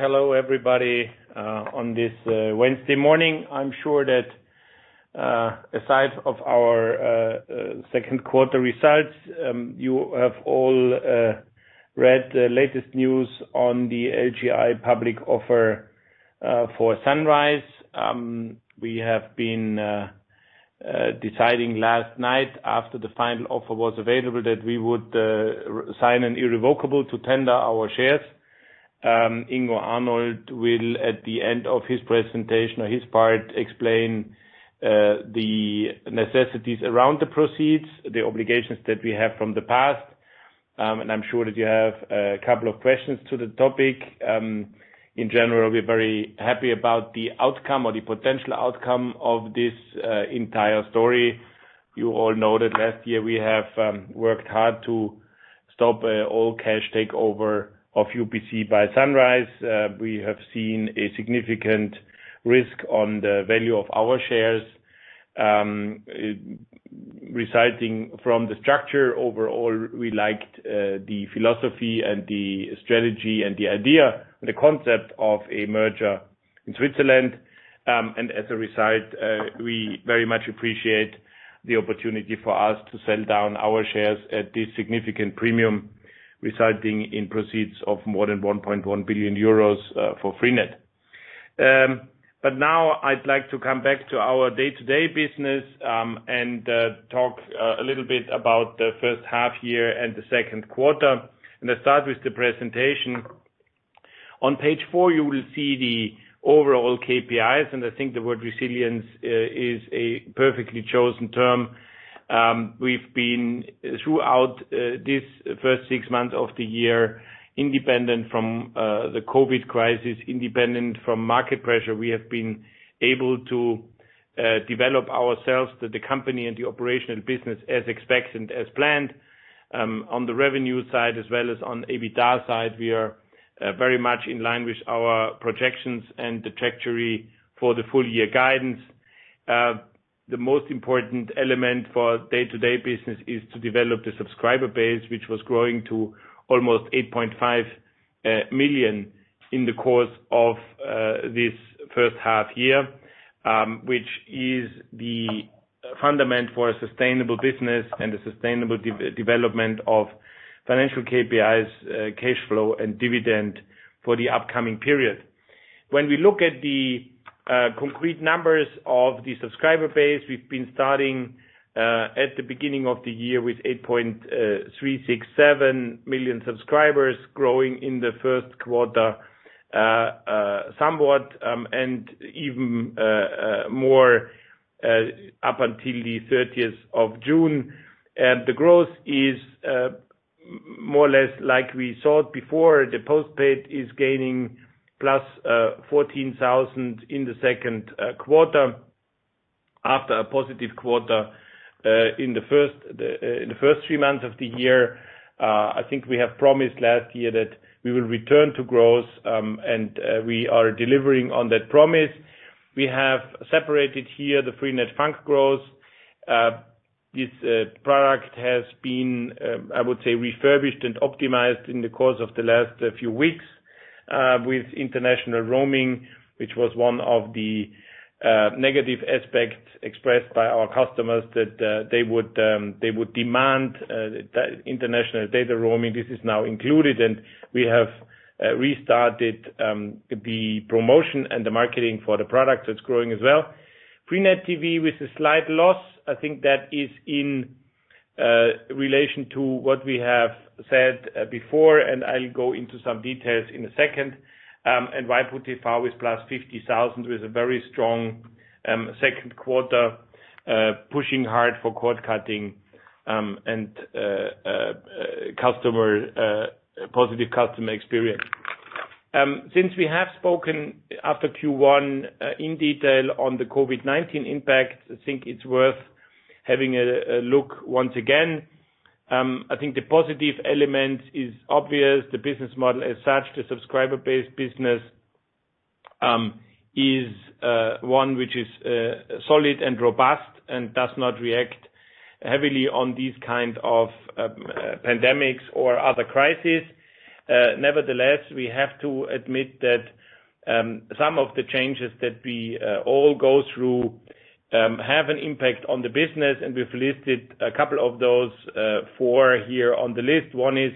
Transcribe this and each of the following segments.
Hello everybody on this Wednesday morning. I'm sure that aside of our second quarter results, you have all read the latest news on the LGI public offer for Sunrise. We have been deciding last night, after the final offer was available, that we would sign an irrevocable to tender our shares. Ingo Arnold will, at the end of his presentation or his part, explain the necessities around the proceeds, the obligations that we have from the past, I'm sure that you have a couple of questions to the topic. In general, we're very happy about the outcome or the potential outcome of this entire story. You all know that last year we have worked hard to stop all cash takeover of UPC by Sunrise. We have seen a significant risk on the value of our shares. Resulting from the structure overall, we liked the philosophy and the strategy and the idea and the concept of a merger in Switzerland. As a result, we very much appreciate the opportunity for us to sell down our shares at this significant premium, resulting in proceeds of more than 1.1 billion euros for freenet. Now I'd like to come back to our day-to-day business, and talk a little bit about the first half-year and the second quarter, and I start with the presentation. On page four, you will see the overall KPIs, and I think the word resilience is a perfectly chosen term. We've been, throughout this first six months of the year, independent from the COVID crisis, independent from market pressure. We have been able to develop ourselves, the company, and the operational business as expected, as planned. On the revenue side, as well as on the EBITDA side, we are very much in line with our projections and the trajectory for the full year guidance. The most important element for day-to-day business is to develop the subscriber base, which was growing to almost 8.5 million in the course of this first half year, which is the fundament for a sustainable business and a sustainable development of financial KPIs, cash flow, and dividend for the upcoming period. When we look at the concrete numbers of the subscriber base, we've been starting at the beginning of the year with 8.367 million subscribers, growing in the first quarter somewhat, and even more up until the 30th of June. The growth is more or less like we thought before. The postpaid is gaining +14,000 in the second quarter after a positive quarter in the first three months of the year. I think we have promised last year that we will return to growth, and we are delivering on that promise. We have separated here the freenet FUNK growth. This product has been, I would say, refurbished and optimized in the course of the last few weeks, with international roaming, which was one of the negative aspects expressed by our customers, that they would demand international data roaming. This is now included and we have restarted the promotion and the marketing for the product. That's growing as well. Freenet TV with a slight loss. I think that is in relation to what we have said before, and I'll go into some details in a second. And waipu.tv with +50,000 with a very strong second quarter, pushing hard for cord cutting, and positive customer experience. Since we have spoken after Q1 in detail on the COVID-19 impact, I think it's worth having a look once again. I think the positive element is obvious. The business model as such, the subscriber-based business is one which is solid and robust and does not react heavily on these kinds of pandemics or other crises. We have to admit that some of the changes that we all go through have an impact on the business, and we've listed a couple of those four here on the list. One is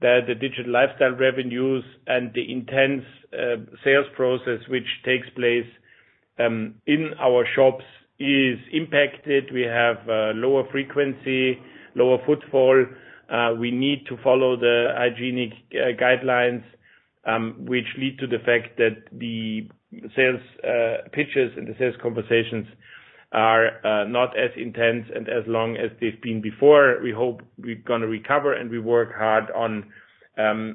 that the Digital Lifestyle revenues and the intense sales process which takes place in our shops is impacted. We have lower frequency, lower footfall. We need to follow the hygienic guidelines, which lead to the fact that the sales pitches and the sales conversations are not as intense and as long as they've been before. We hope we're going to recover. We work hard on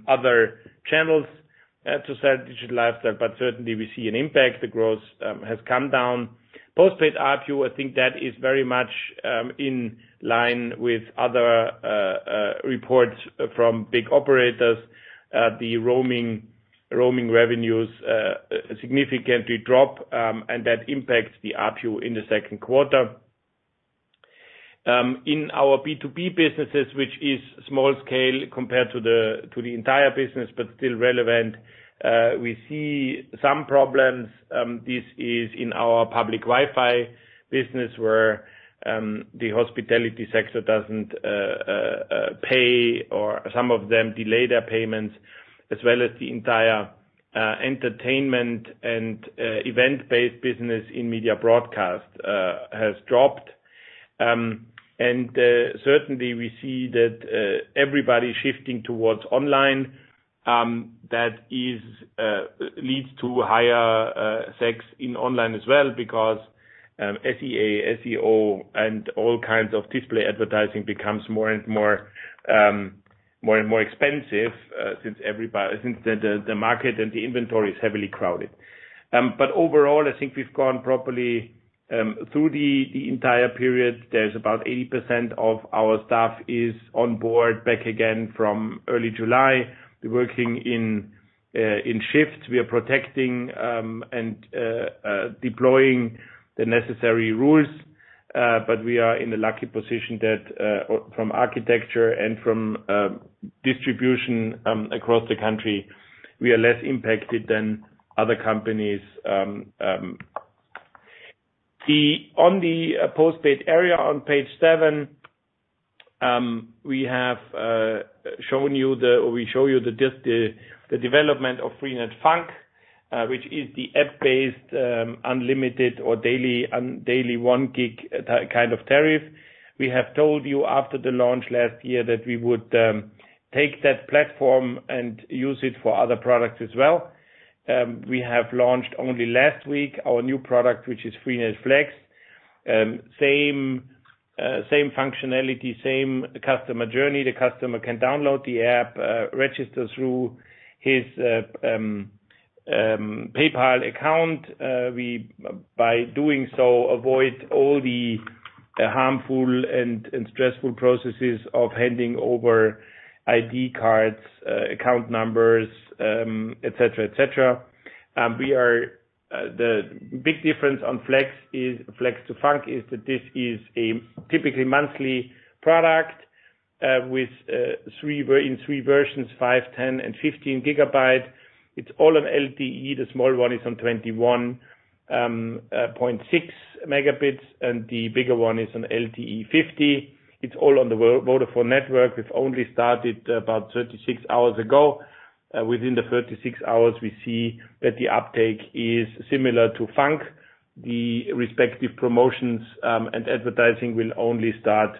other channels to sell Digital Lifestyle. Certainly, we see an impact. The growth has come down. Postpaid ARPU, I think that is very much in line with other reports from big operators. The roaming revenues significantly drop, and that impacts the ARPU in the second quarter. In our B2B businesses, which is small scale compared to the entire business, but still relevant, we see some problems. This is in our public Wi-Fi business, where the hospitality sector doesn't pay, or some of them delay their payments, as well as the entire entertainment and event-based business in Media Broadcast has dropped. Certainly, we see that everybody's shifting towards online. That leads to higher sales in online as well, because SEA, SEO, and all kinds of display advertising becomes more and more expensive since the market and the inventory is heavily crowded. Overall, I think we've gone properly through the entire period. There's about 80% of our staff is on board back again from early July, working in shifts. We are protecting and deploying the necessary rules. We are in a lucky position that from architecture and from distribution across the country, we are less impacted than other companies. On the postpaid area on page seven, we show you the development of freenet FUNK, which is the app-based unlimited or daily one gig kind of tariff. We have told you after the launch last year that we would take that platform and use it for other products as well. We have launched only last week our new product, which is freenet FLEX. Same functionality, same customer journey. The customer can download the app, register through his PayPal account. By doing so, avoid all the harmful and stressful processes of handing over ID cards, account numbers, et cetera. The big difference on FLEX to freenet FUNK is that this is a typically monthly product in three versions, 5 GB, 10 GB, and 15 GB. It's all on LTE. The small one is on 21.6 Mb, and the bigger one is on LTE 50. It's all on the Vodafone network. We've only started about 36 hours ago. Within the 36 hours, we see that the uptake is similar to freenet FUNK. The respective promotions and advertising will only start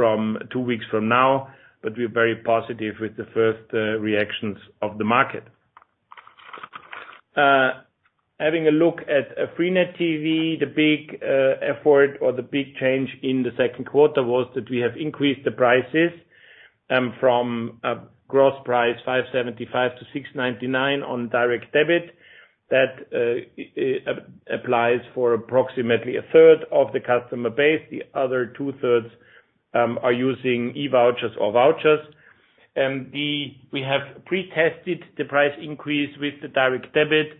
from two weeks from now, but we're very positive with the first reactions of the market. Having a look at freenet TV, the big effort or the big change in the second quarter was that we have increased the prices from a gross price, 575-699 on direct debit. That applies for approximately a third of the customer base. The other two-thirds are using e-vouchers or vouchers. We have pre-tested the price increase with the direct debit,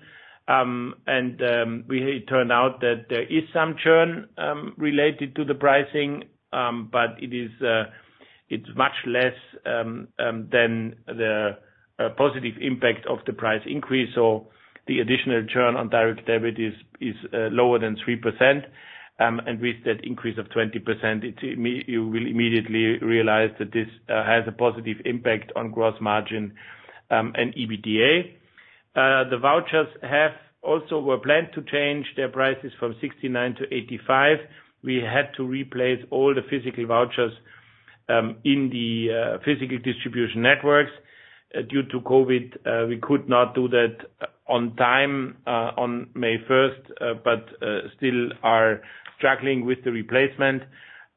it turned out that there is some churn related to the pricing, it's much less than the positive impact of the price increase, or the additional churn on direct debit is lower than 3%. With that increase of 20%, you will immediately realize that this has a positive impact on gross margin and EBITDA. The vouchers have also were planned to change their prices from 69-85. We had to replace all the physical vouchers in the physical distribution networks. Due to COVID, we could not do that on time on May 1st, but still are struggling with the replacement.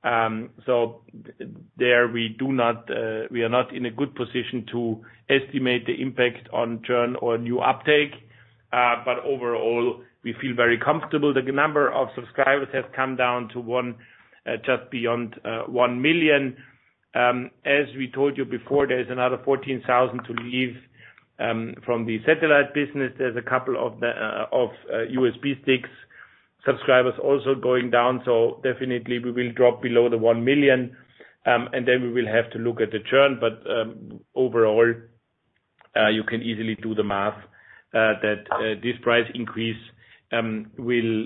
There, we are not in a good position to estimate the impact on churn or new uptake. Overall, we feel very comfortable. The number of subscribers has come down to just beyond 1 million. As we told you before, there is another 14,000 to leave from the satellite business. There's a couple of USB sticks subscribers also going down. Definitely we will drop below the 1 million, and then we will have to look at the churn. Overall, you can easily do the math that this price increase will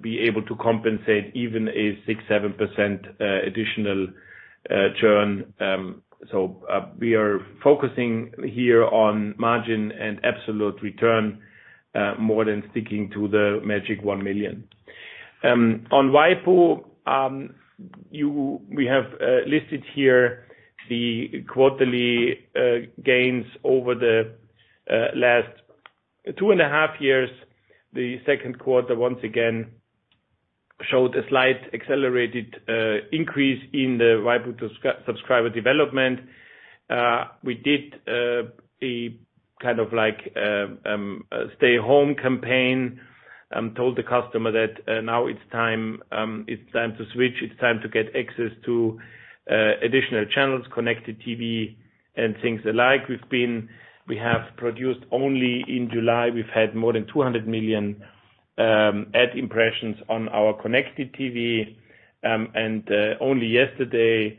be able to compensate even a 6%-7% additional churn. We are focusing here on margin and absolute return more than sticking to the magic 1 million. On waipu.tv, we have listed here the quarterly gains over the last 2.5 years. The second quarter, once again, showed a slight accelerated increase in the waipu.tv subscriber development. We did a stay home campaign, told the customer that now it's time to switch. It's time to get access to additional channels, connected TV and things alike. We have produced only in July, we've had more than 200 million ad impressions on our connected TV, and only yesterday,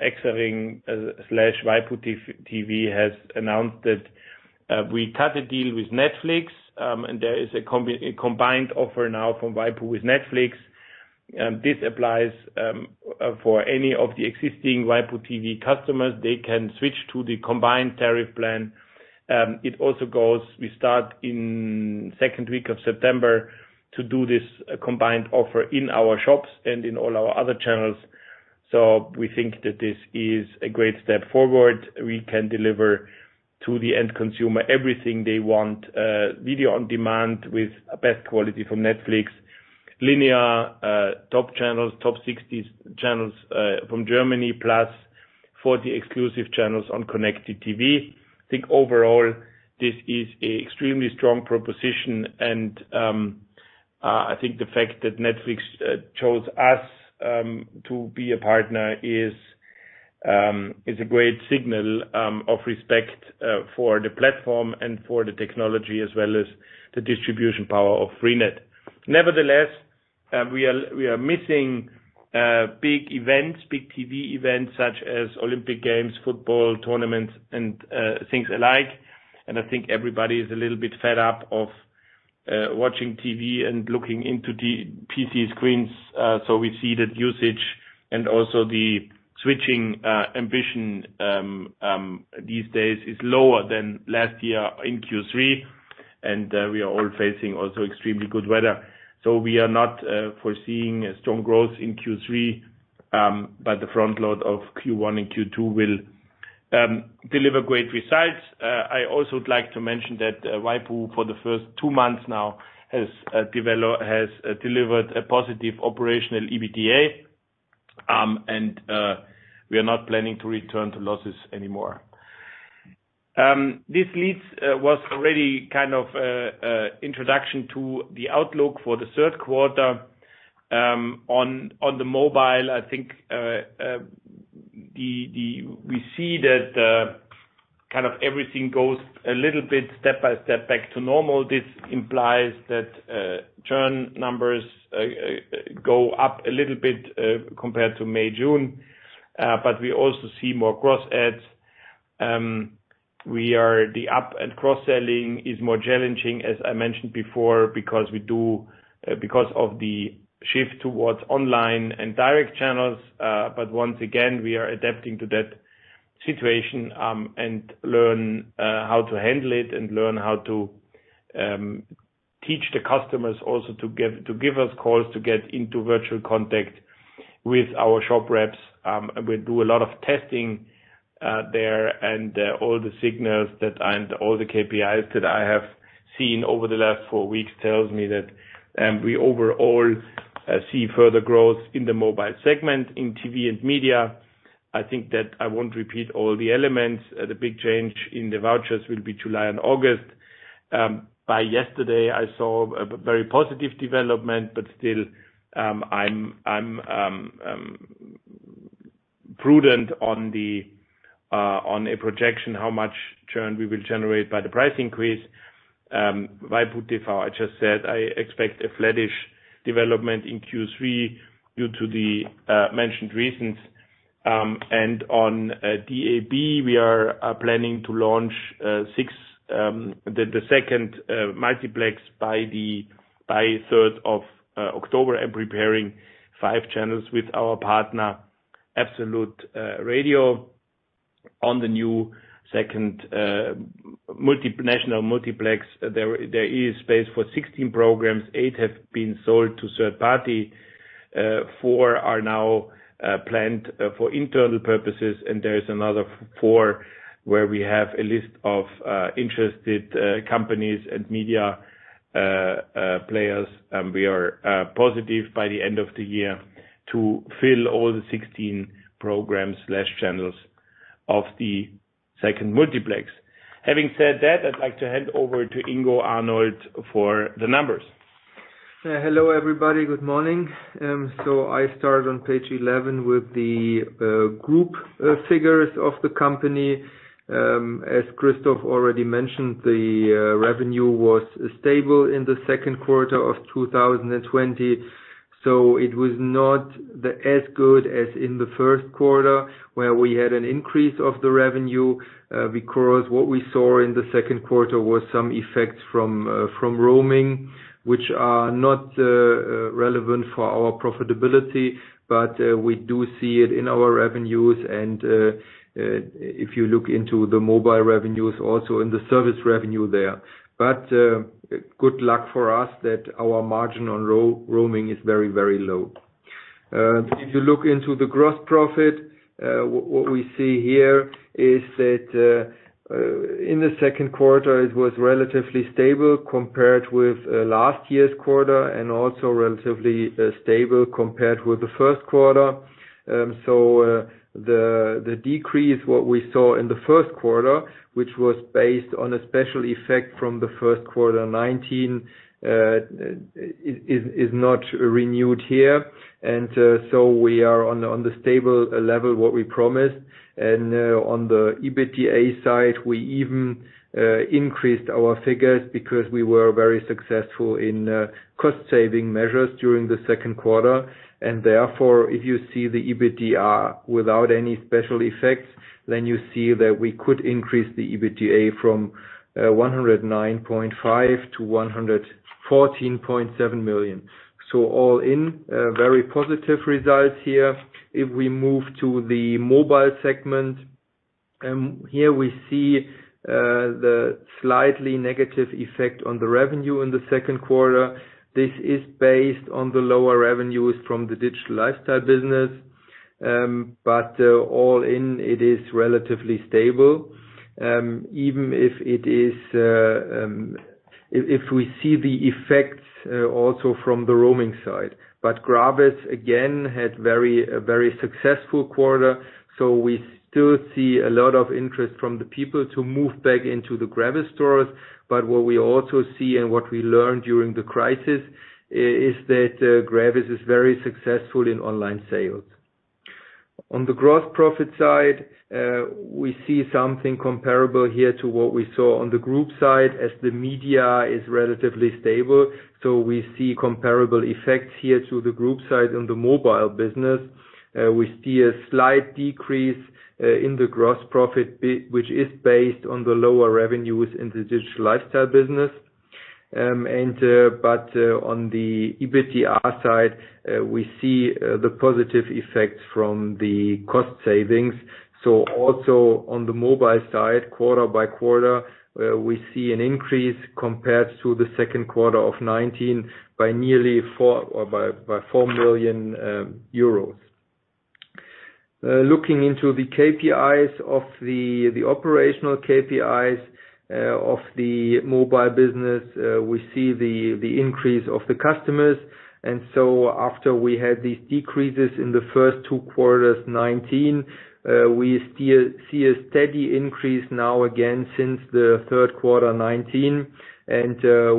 Exaring/waipu.tv has announced that we cut a deal with Netflix, and there is a combined offer now from waipu.tv with Netflix. This applies for any of the existing waipu.tv customers. They can switch to the combined tariff plan. We start in second week of September to do this combined offer in our shops and in all our other channels. We think that this is a great step forward. We can deliver to the end consumer everything they want, video on demand with best quality from Netflix, linear, top 60 channels from Germany, +40 exclusive channels on connected TV. I think overall, this is extremely strong proposition, and I think the fact that Netflix chose us to be a partner is a great signal of respect for the platform and for the technology, as well as the distribution power of freenet. Nevertheless, we are missing big TV events such as Olympic Games, football tournaments, and things alike. I think everybody is a little bit fed up of watching TV and looking into the PC screens. We see that usage and also the switching ambition these days is lower than last year in Q3, and we are all facing also extremely good weather. We are not foreseeing a strong growth in Q3, but the front load of Q1 and Q2 will deliver great results. I also would like to mention that waipu, for the first two months now, has delivered a positive operational EBITDA, and we are not planning to return to losses anymore. This was already kind of introduction to the outlook for the third quarter. On the mobile, I think we see that everything goes a little bit step by step back to normal. This implies that churn numbers go up a little bit compared to May, June. We also see more cross ads. The up and cross-selling is more challenging, as I mentioned before, because of the shift towards online and direct channels. Once again, we are adapting to that situation, and learn how to handle it and learn how to teach the customers also to give us calls to get into virtual contact with our shop reps. We do a lot of testing there, and all the signals and all the KPIs that I have seen over the last four weeks tells me that we overall see further growth in the mobile segment in TV and media. I think that I won't repeat all the elements. The big change in the vouchers will be July and August. By yesterday, I saw a very positive development, but still, I'm prudent on a projection, how much churn we will generate by the price increase. Waipu.tv, I just said I expect a flattish development in Q3 due to the mentioned reasons. On DAB, we are planning to launch the second multiplex by third of October and preparing five channels with our partner, Absolut Radio. On the new second national multiplex, there is space for 16 programs. Eight have been sold to third party. Four are now planned for internal purposes, and there is another four where we have a list of interested companies and media players. We are positive by the end of the year to fill all the 16 programs/channels of the second multiplex. Having said that, I'd like to hand over to Ingo Arnold for the numbers. Hello everybody, good morning. I start on page 11 with the group figures of the company. As Christoph already mentioned, the revenue was stable in the second quarter of 2020. It was not as good as in the first quarter where we had an increase of the revenue, because what we saw in the second quarter was some effects from roaming, which are not relevant for our profitability, but we do see it in our revenues, and if you look into the mobile revenues, also in the service revenue there. Good luck for us that our margin on roaming is very low. If you look into the gross profit, what we see here is that in the second quarter, it was relatively stable compared with last year's quarter, and also relatively stable compared with the first quarter. The decrease, what we saw in the first quarter, which was based on a special effect from the first quarter 2019, is not renewed here. We are on the stable level, what we promised. On the EBITDA side, we even increased our figures because we were very successful in cost saving measures during the second quarter. If you see the EBITDA without any special effects, then you see that we could increase the EBITDA from 109.5 million-114.7 million. All in, very positive results here. If we move to the mobile segment, here we see the slightly negative effect on the revenue in the second quarter. This is based on the lower revenues from the Digital Lifestyle business. All in, it is relatively stable. Even if we see the effects also from the roaming side. Gravis, again, had very successful quarter. We still see a lot of interest from the people to move back into the Gravis stores. What we also see and what we learned during the crisis, is that Gravis is very successful in online sales. On the gross profit side, we see something comparable here to what we saw on the group side, as the media is relatively stable. We see comparable effects here to the group side on the mobile business. We see a slight decrease in the gross profit, which is based on the lower revenues in the Digital Lifestyle business. On the EBITDA side, we see the positive effects from the cost savings. Also on the mobile side, quarter by quarter, we see an increase compared to the second quarter of 2019 by nearly 4 million euros. Looking into the operational KPIs of the mobile business, we see the increase of the customers. So after we had these decreases in the first two quarters 2019, we still see a steady increase now again since the third quarter 2019.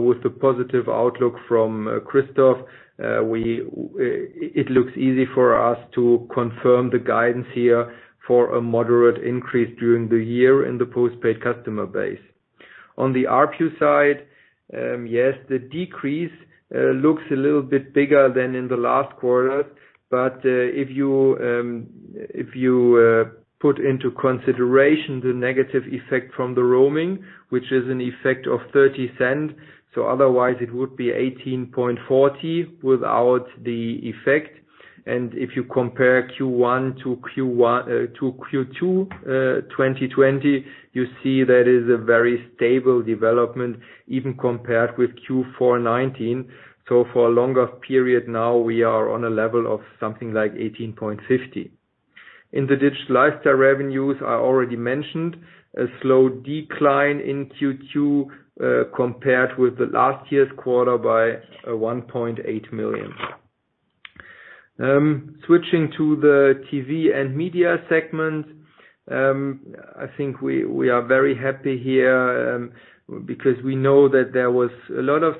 With the positive outlook from Christoph, it looks easy for us to confirm the guidance here for a moderate increase during the year in the postpaid customer base. On the ARPU side, yes, the decrease looks a little bit bigger than in the last quarter. If you put into consideration the negative effect from the roaming, which is an effect of 0.30, so otherwise it would be 18.40 without the effect. If you compare Q1 to Q2 2020, you see that is a very stable development, even compared with Q4 2019. For a longer period now, we are on a level of something like 18.50. In the Digital Lifestyle revenues, I already mentioned, a slow decline in Q2, compared with the last year's quarter by 1.8 million. Switching to the TV and media segment, I think we are very happy here, because we know that there was a lot of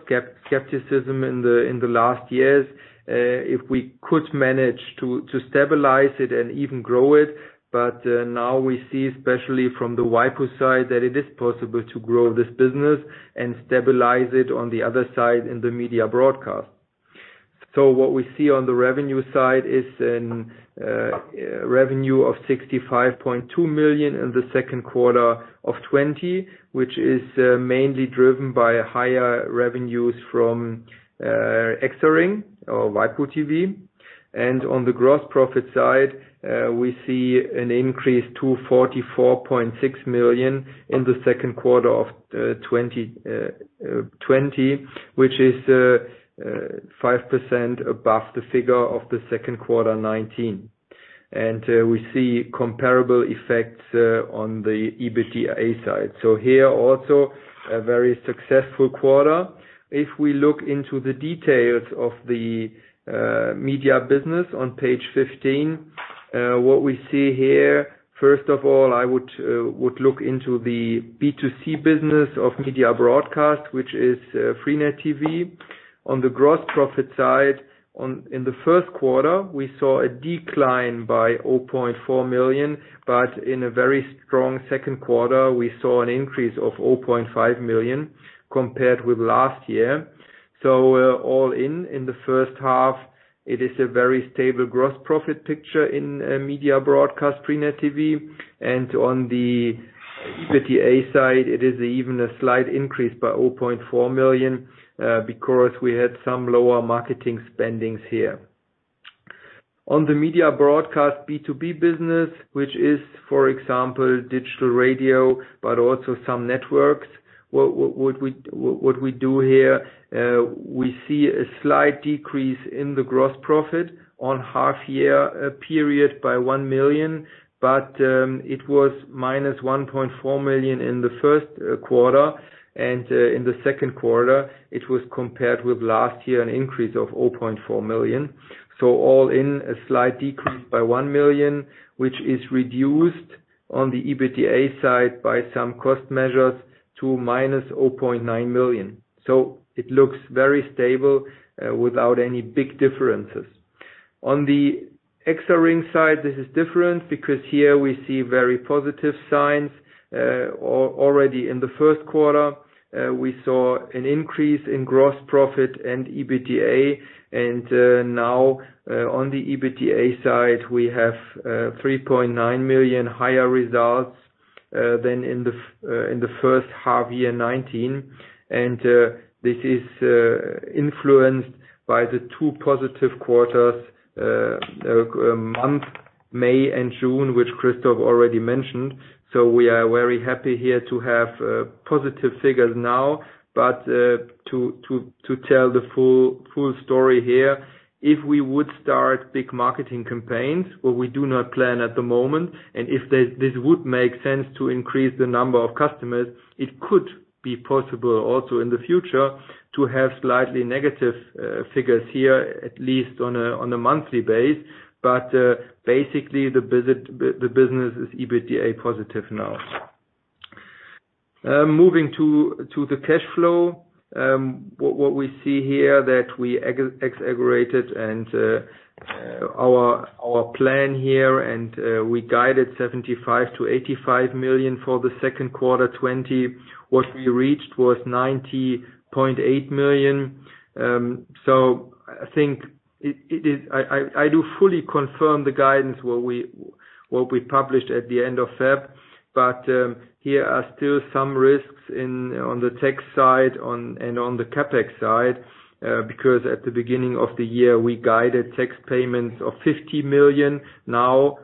skepticism in the last years, if we could manage to stabilize it and even grow it. Now we see, especially from the waipu.tv side, that it is possible to grow this business and stabilize it on the other side in the Media Broadcast. What we see on the revenue side is a revenue of 65.2 million in the second quarter of 2020, which is mainly driven by higher revenues from Exaring or waipu.tv. On the gross profit side, we see an increase to 44.6 million in the second quarter of 2020, which is 5% above the figure of the second quarter 2019. We see comparable effects on the EBITDA side. Here also, a very successful quarter. If we look into the details of the media business on page 15, what we see here, first of all, I would look into the B2C business of Media Broadcast, which is freenet TV. On the gross profit side, in the first quarter, we saw a decline by 0.4 million, but in a very strong second quarter, we saw an increase of 0.5 million compared with last year. All in the first half, it is a very stable gross profit picture in Media Broadcast freenet TV. On the EBITDA side, it is even a slight increase by 0.4 million, because we had some lower marketing spendings here. On the Media Broadcast B2B business, which is, for example, digital radio, but also some networks what we do here, we see a slight decrease in the gross profit on half year period by 1 million, but it was minus 1.4 million in the first quarter and in the second quarter it was compared with last year, an increase of 0.4 million. All in a slight decrease by 1 million, which is reduced on the EBITDA side by some cost measures to minus 0.9 million. It looks very stable without any big differences. On the Exaring side, this is different because here we see very positive signs. Already in the first quarter, we saw an increase in gross profit and EBITDA. Now on the EBITDA side, we have 3.9 million higher results than in the first half year 2019. This is influenced by the two positive quarters, month May and June, which Christoph already mentioned. We are very happy here to have positive figures now, but to tell the full story here, if we would start big marketing campaigns, what we do not plan at the moment, and if this would make sense to increase the number of customers, it could be possible also in the future to have slightly negative figures here, at least on a monthly base. Basically the business is EBITDA positive now. Moving to the cash flow. What we see here that we exaggerated and our plan here, and we guided 75 million-85 million for the second quarter 2020. What we reached was 90.8 million. I think, I do fully confirm the guidance what we published at the end of February, but here are still some risks on the tax side and on the CapEx side, because at the beginning of the year, we guided tax payments of 50 million. Now,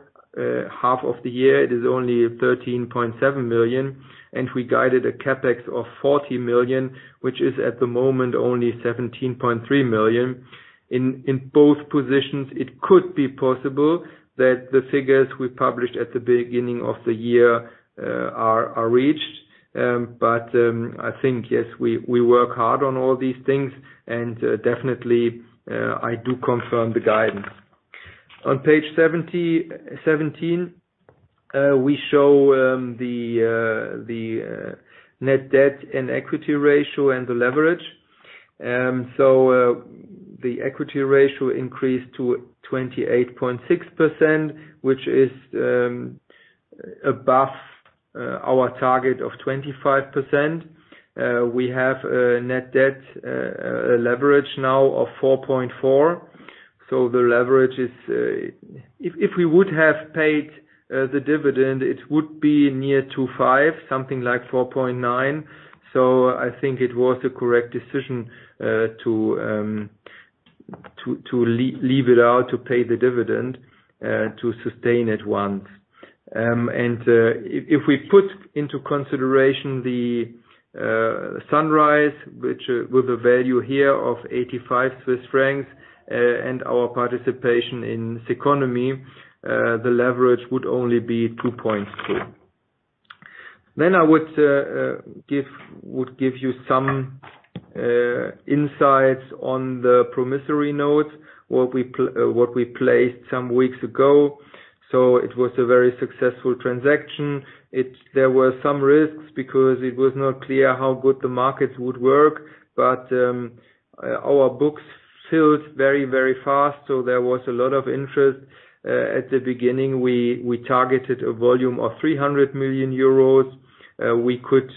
half of the year, it is only 13.7 million, and we guided a CapEx of 40 million, which is at the moment only 17.3 million. In both positions, it could be possible that the figures we published at the beginning of the year are reached. I think, yes, we work hard on all these things and definitely, I do confirm the guidance. On page 17, we show the net debt and equity ratio and the leverage. The equity ratio increased to 28.6%, which is above our target of 25%. We have a net debt leverage now of 4.4x. The leverage, if we would have paid the dividend, it would be near to 5.0x, something like 4.9x. I think it was the correct decision to leave it out, to pay the dividend, to sustain at once. If we put into consideration the Sunrise, with a value here of EUR 85, and our participation in Ceconomy, the leverage would only be 2.2x. I would give you some insights on the promissory note, what we placed some weeks ago. It was a very successful transaction. There were some risks because it was not clear how good the markets would work, but our books filled very fast. There was a lot of interest. At the beginning, we targeted a volume of 300 million euros. We could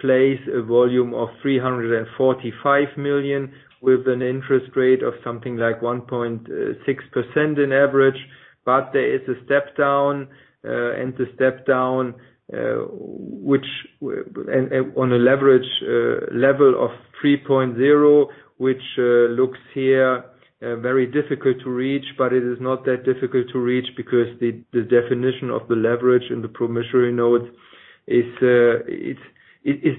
place a volume of 345 million with an interest rate of something like 1.6% in average. There is a step down, and the step down on a leverage level of 3.0x, which looks here very difficult to reach, but it is not that difficult to reach because the definition of the leverage in the promissory note is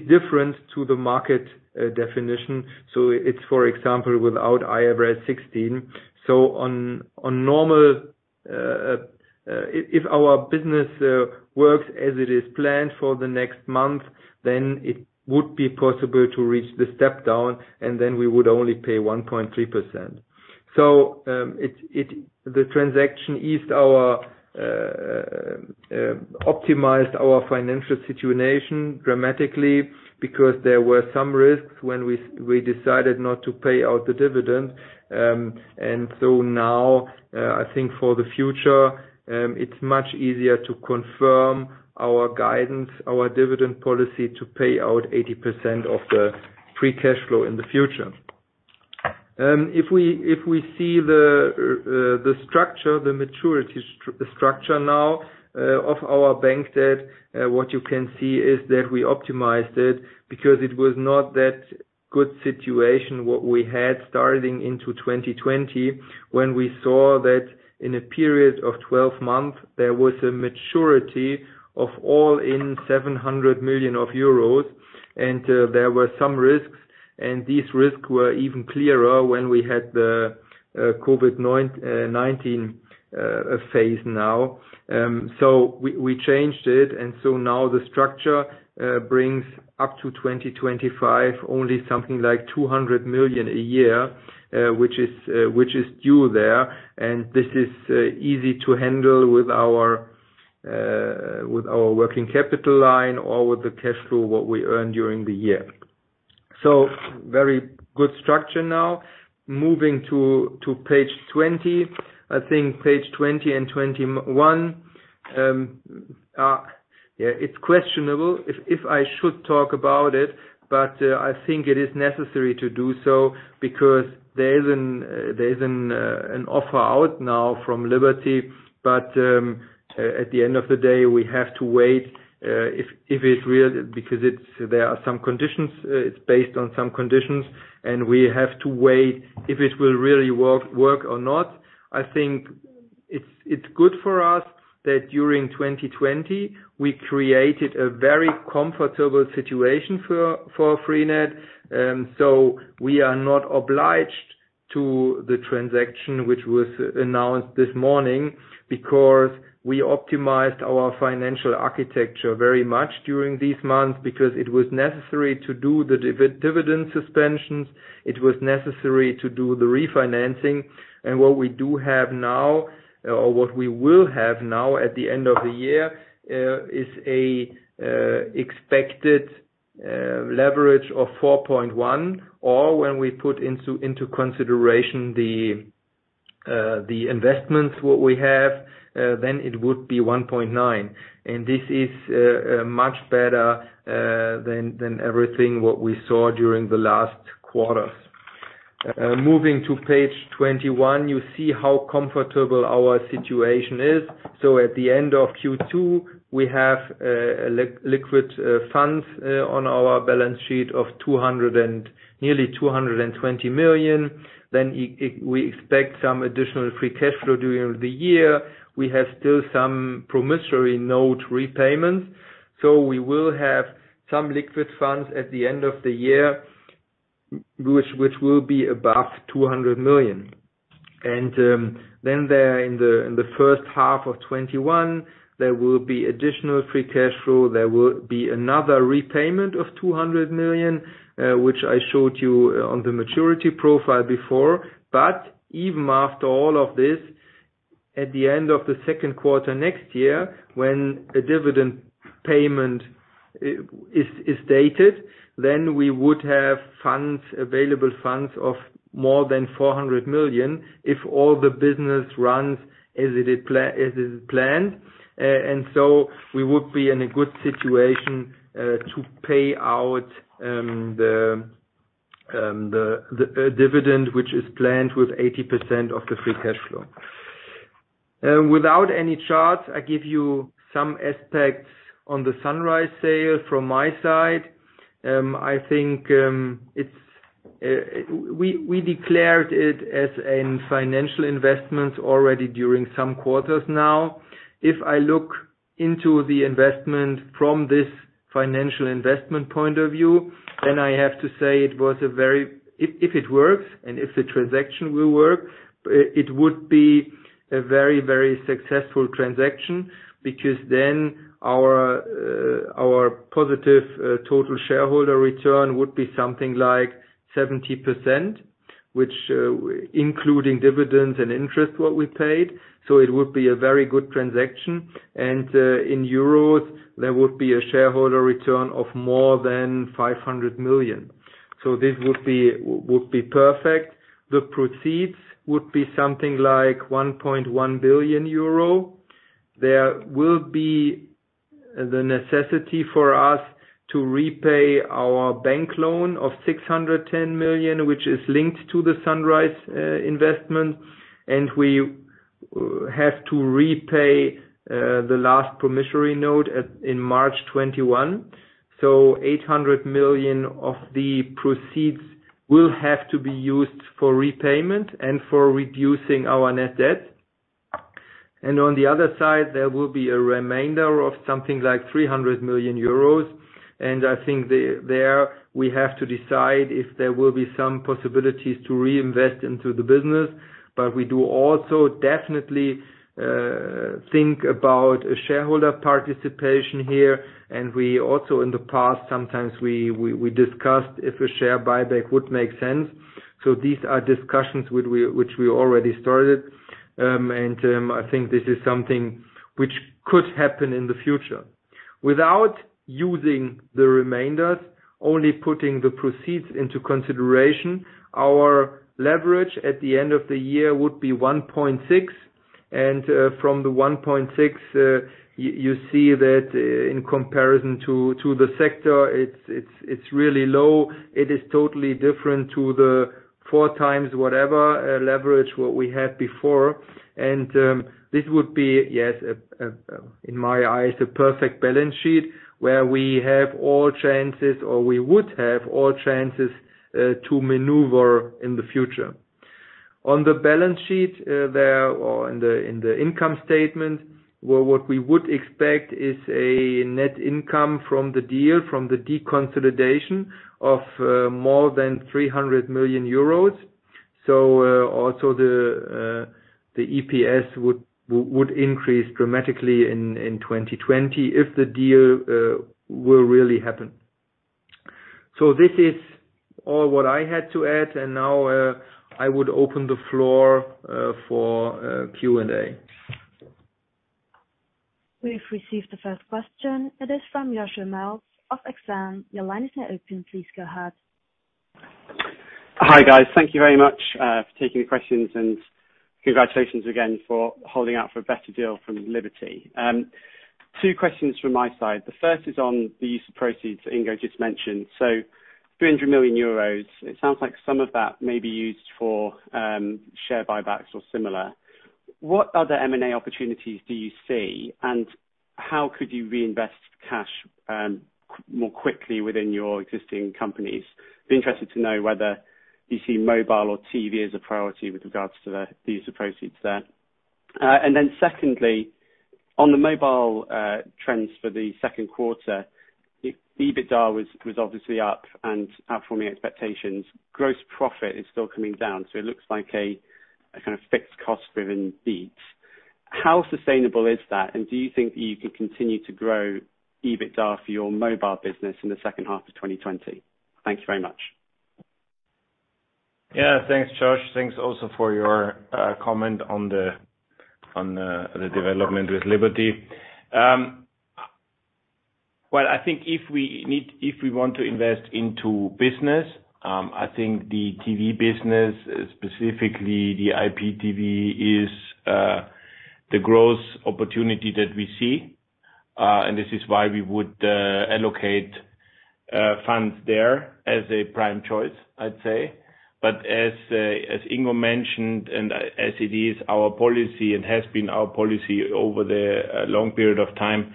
different to the market definition. It is, for example, without IFRS 16. If our business works as it is planned for the next month, then it would be possible to reach the step down, and then we would only pay 1.3%. The transaction optimized our financial situation dramatically because there were some risks when we decided not to pay out the dividend. Now, I think for the future, it's much easier to confirm our guidance, our dividend policy, to pay out 80% of the free cash flow in the future. If we see the structure, the maturity structure now of our bank debt, what you can see is that we optimized it because it was not that good situation, what we had starting into 2020 when we saw that in a period of 12 months, there was a maturity of all in 700 million euros, and there were some risks. These risks were even clearer when we had the COVID-19 phase now. We changed it, and so now the structure brings up to 2025, only something like 200 million a year, which is due there, and this is easy to handle with our working capital line or with the cash flow, what we earn during the year. Very good structure now. Moving to page 20. I think page 20 and 21. It's questionable if I should talk about it, but I think it is necessary to do so, because there is an offer out now from Liberty, but at the end of the day, we have to wait, because there are some conditions, it's based on some conditions, and we have to wait if it will really work or not. I think it's good for us that during 2020, we created a very comfortable situation for freenet. We are not obliged to the transaction, which was announced this morning because we optimized our financial architecture very much during these months because it was necessary to do the dividend suspensions. It was necessary to do the refinancing. What we do have now or what we will have now at the end of the year, is expected leverage of 4.1x or when we put into consideration the investments what we have, then it would be 1.9x. Moving to page 21, you see how comfortable our situation is. At the end of Q2, we have liquid funds on our balance sheet of nearly 220 million. We expect some additional free cash flow during the year. We have still some promissory note repayments. We will have some liquid funds at the end of the year, which will be above 200 million. There in the first half of 2021, there will be additional free cash flow. There will be another repayment of 200 million, which I showed you on the maturity profile before. Even after all of this, at the end of the second quarter next year, when a dividend payment is stated, then we would have available funds of more than 400 million if all the business runs as is planned. We would be in a good situation to pay out the dividend, which is planned with 80% of the free cash flow. Without any charts, I give you some aspects on the Sunrise sale from my side. I think we declared it as a financial investment already during some quarters now. If I look into the investment from this financial investment point of view, I have to say, if it works and if the transaction will work, it would be a very successful transaction, because then our positive total shareholder return would be something like 70%, including dividends and interest, what we paid. It would be a very good transaction. In Euro, there would be a shareholder return of more than 500 million. This would be perfect. The proceeds would be something like 1.1 billion euro. There will be the necessity for us to repay our bank loan of 610 million, which is linked to the Sunrise investment, and we have to repay the last promissory note in March 2021. 800 million of the proceeds will have to be used for repayment and for reducing our net debt. On the other side, there will be a remainder of something like 300 million euros. I think there we have to decide if there will be some possibilities to reinvest into the business. We do also definitely think about a shareholder participation here. We also in the past, sometimes we discussed if a share buyback would make sense. These are discussions which we already started. I think this is something which could happen in the future. Without using the remainders, only putting the proceeds into consideration, our leverage at the end of the year would be 1.6x. From the 1.6x, you see that in comparison to the sector, it's really low. It is totally different to the four times whatever, leverage what we had before. This would be, yes, in my eyes, a perfect balance sheet where we have all chances or we would have all chances to maneuver in the future. On the balance sheet there or in the income statement, what we would expect is a net income from the deal, from the deconsolidation of more than 300 million euros. Also the EPS would increase dramatically in 2020 if the deal will really happen. This is all what I had to add, and now I would open the floor for Q&A. We've received the first question. It is from Joshua Mills of Exane. Your line is now open. Please go ahead. Hi, guys. Thank you very much for taking the questions and congratulations again for holding out for a better deal from Liberty. Two questions from my side. The first is on the use of proceeds that Ingo just mentioned. 300 million euros, it sounds like some of that may be used for share buybacks or similar. What other M&A opportunities do you see, and how could you reinvest cash more quickly within your existing companies? Be interested to know whether you see mobile or TV as a priority with regards to the use of proceeds there. Secondly, on the mobile trends for the second quarter, EBITDA was obviously up and outperforming expectations. Gross profit is still coming down, it looks like a fixed cost-driven beat. How sustainable is that, and do you think that you can continue to grow EBITDA for your mobile business in the second half of 2020? Thank you very much. Yeah. Thanks, Josh. Thanks also for your comment on the development with Liberty. Well, I think if we want to invest into business, I think the TV business, specifically the IPTV, is the growth opportunity that we see. This is why we would allocate funds there as a prime choice, I'd say. As Ingo mentioned, and as it is our policy and has been our policy over the long period of time,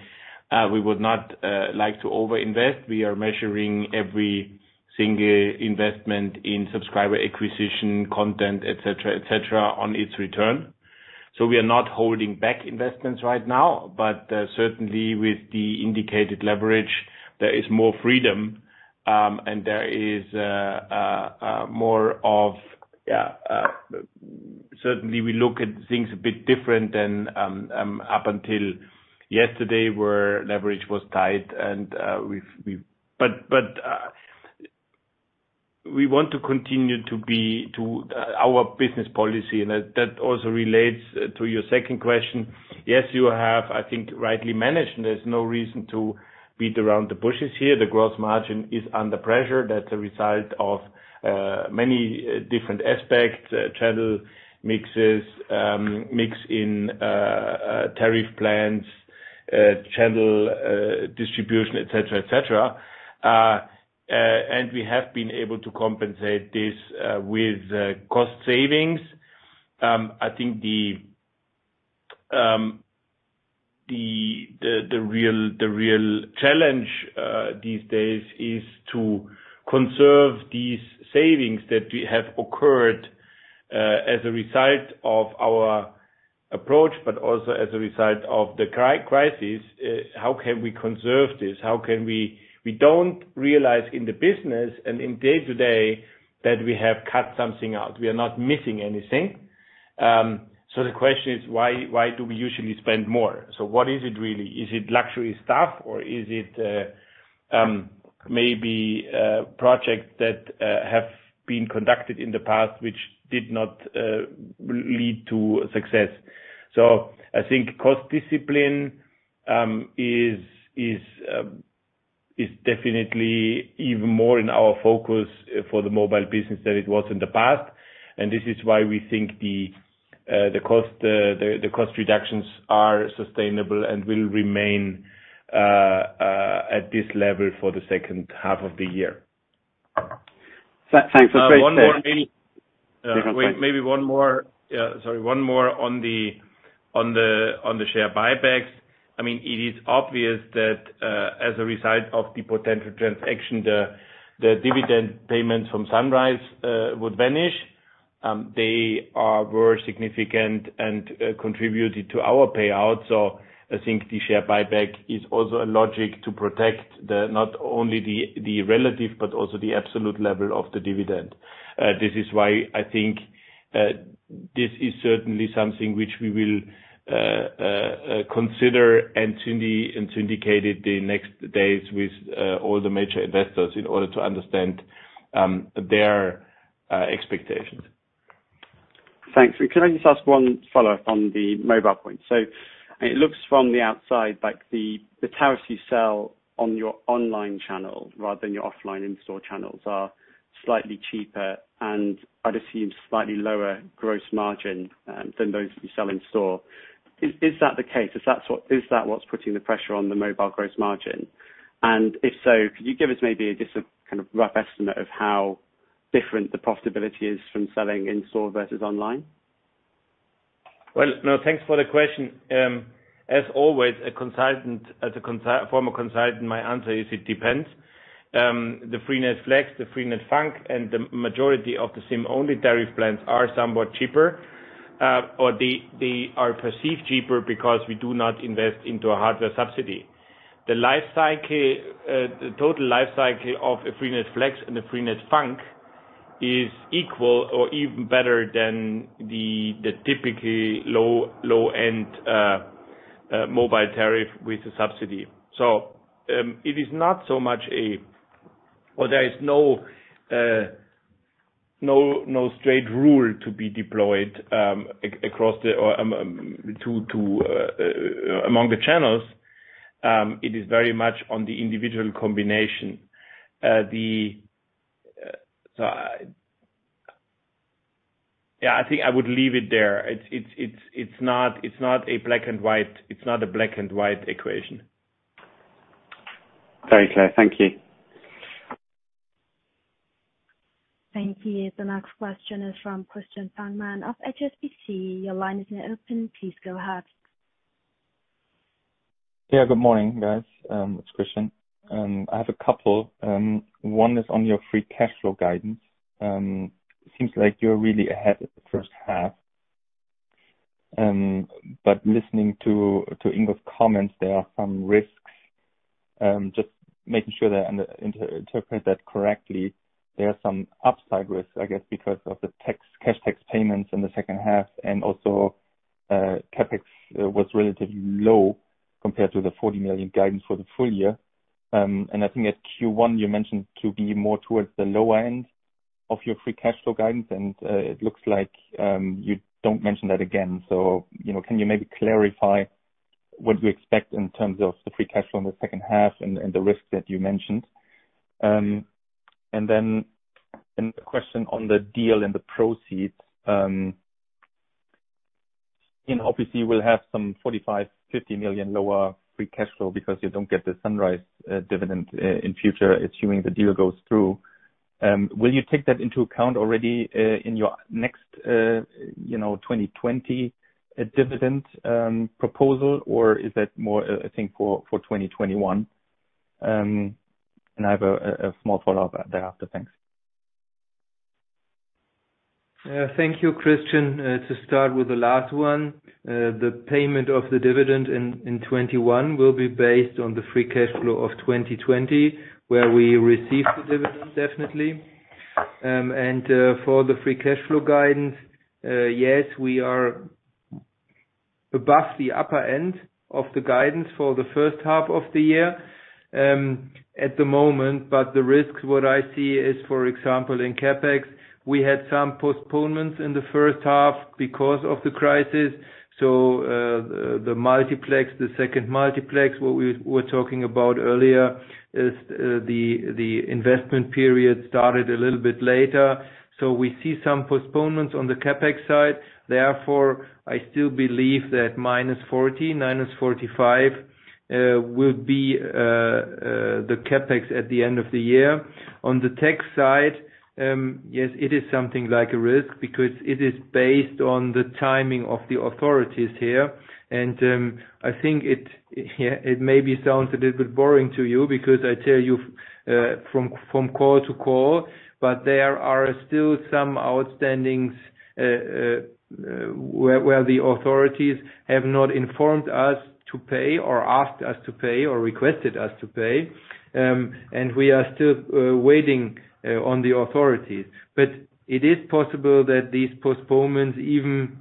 we would not like to over-invest. We are measuring every single investment in subscriber acquisition, content, et cetera, et cetera, on its return. We are not holding back investments right now, but certainly with the indicated leverage, there is more freedom, and there is more. Certainly we look at things a bit different than up until yesterday, where leverage was tight. We want to continue our business policy. That also relates to your second question. Yes, you have, I think rightly managed, there's no reason to beat around the bushes here. The gross margin is under pressure. That's a result of many different aspects, channel mixes, mix in tariff plans, channel distribution, et cetera. We have been able to compensate this with cost savings. I think the real challenge these days is to conserve these savings that have occurred as a result of our approach, but also as a result of the crisis. How can we conserve this? We don't realize in the business and in day to day that we have cut something out. We are not missing anything. The question is, why do we usually spend more? What is it really? Is it luxury stuff or is it maybe projects that have been conducted in the past which did not lead to success? I think cost discipline is definitely even more in our focus for the mobile business than it was in the past, and this is why we think the cost reductions are sustainable and will remain at this level for the second half of the year. Thanks. That's very clear. Maybe one more. Sorry, one more on the share buybacks. It is obvious that as a result of the potential transaction, the dividend payments from Sunrise would vanish. They were significant and contributed to our payout. I think the share buyback is also a logic to protect not only the relative but also the absolute level of the dividend. This is why I think this is certainly something which we will consider and to indicate it the next days with all the major investors in order to understand their expectations. Thanks. Can I just ask one follow-up on the mobile point? It looks from the outside like the tariffs you sell on your online channel rather than your offline in-store channels are slightly cheaper, and I'd assume slightly lower gross margin than those that you sell in-store. Is that the case? Is that what's putting the pressure on the mobile gross margin? If so, could you give us maybe a just a rough estimate of how different the profitability is from selling in-store versus online? Well, thanks for the question. As always, as a former consultant, my answer is it depends. The freenet FLEX, the freenet FUNK, and the majority of the SIM-only tariff plans are somewhat cheaper. They are perceived cheaper because we do not invest into a hardware subsidy. The total life cycle of a freenet FLEX and a freenet FUNK is equal or even better than the typically low-end mobile tariff with a subsidy. There is no straight rule to be deployed among the channels. It is very much on the individual combination. I think I would leave it there. It's not a black and white equation. Very clear. Thank you. Thank you. The next question is from Christian Fangmann of HSBC. Your line is now open. Please go ahead. Yeah. Good morning, guys. It's Christian. I have a couple. One is on your free cash flow guidance. It seems like you're really ahead of the first half. Listening to Ingo's comments, there are some risks. Just making sure that I interpret that correctly, there are some upside risks, I guess, because of the cash tax payments in the second half, and also CapEx was relatively low compared to the 40 million guidance for the full year. I think at Q1 you mentioned to be more towards the lower end of your free cash flow guidance and it looks like you don't mention that again. Can you maybe clarify what we expect in terms of the free cash flow in the second half and the risks that you mentioned? Another question on the deal and the proceeds. Obviously, we'll have some 45 million-50 million lower free cash flow because you don't get the Sunrise dividend in future, assuming the deal goes through. Will you take that into account already in your next 2020 dividend proposal, or is that more, I think, for 2021? I have a small follow-up thereafter. Thanks. Thank you, Christian. To start with the last one, the payment of the dividend in 2021 will be based on the free cash flow of 2020, where we receive the dividend definitely. For the free cash flow guidance, yes, we are above the upper end of the guidance for the first half of the year at the moment. The risks, what I see is, for example, in CapEx, we had some postponements in the first half because of the crisis. The second multiplex, what we were talking about earlier, the investment period started a little bit later. We see some postponements on the CapEx side. Therefore, I still believe that -40, -45 will be the CapEx at the end of the year. On the tax side, yes, it is something like a risk because it is based on the timing of the authorities here. I think it maybe sounds a little bit boring to you because I tell you from call to call, but there are still some outstandings, where the authorities have not informed us to pay or asked us to pay or requested us to pay. We are still waiting on the authorities. It is possible that these postponements even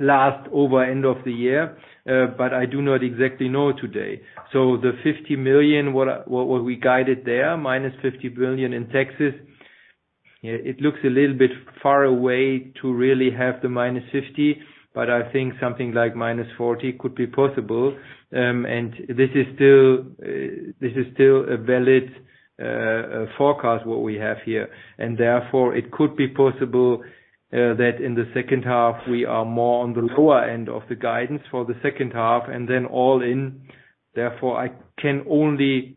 last over end of the year. I do not exactly know today. The 50 million, what we guided there, -50 billion in taxes, it looks a little bit far away to really have the minus 50 million, but I think something like -40 could be possible. This is still a valid forecast, what we have here. Therefore, it could be possible that in the second half, we are more on the lower end of the guidance for the second half and then all in. I can only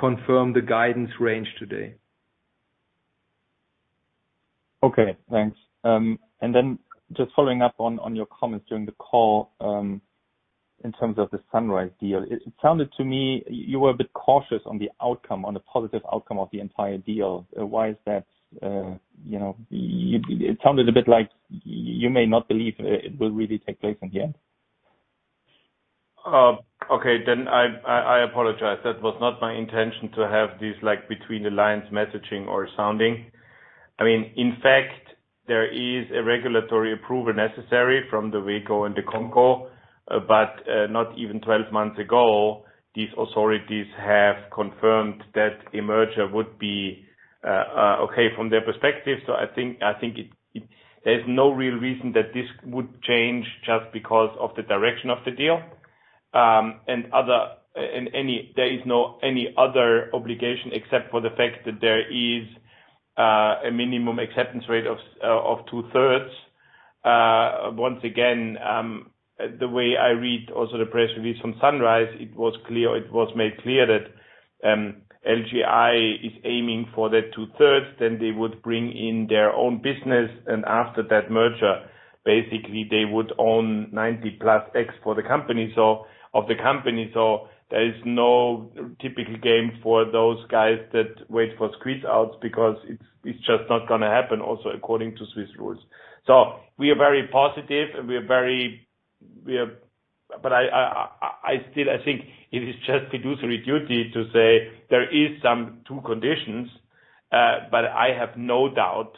confirm the guidance range today. Okay. Thanks. Just following up on your comments during the call, in terms of the Sunrise deal. It sounded to me you were a bit cautious on the positive outcome of the entire deal. Why is that? It sounded a bit like you may not believe it will really take place in the end. I apologize. That was not my intention to have this between-the-lines messaging or sounding. In fact, there is a regulatory approval necessary from the WEKO and the ComCo. Not even 12 months ago, these authorities have confirmed that a merger would be okay from their perspective. I think there is no real reason that this would change just because of the direction of the deal. There is no any other obligation except for the fact that there is a minimum acceptance rate of two-thirds. Once again, the way I read also the press release from Sunrise, it was made clear that LGI is aiming for that two-thirds, then they would bring in their own business, and after that merger, basically they would own 90+ X of the company. There is no typical game for those guys that wait for squeeze outs because it's just not going to happen also according to Swiss rules. We are very positive, but I think it is just fiduciary duty to say there is some two conditions. I have no doubt,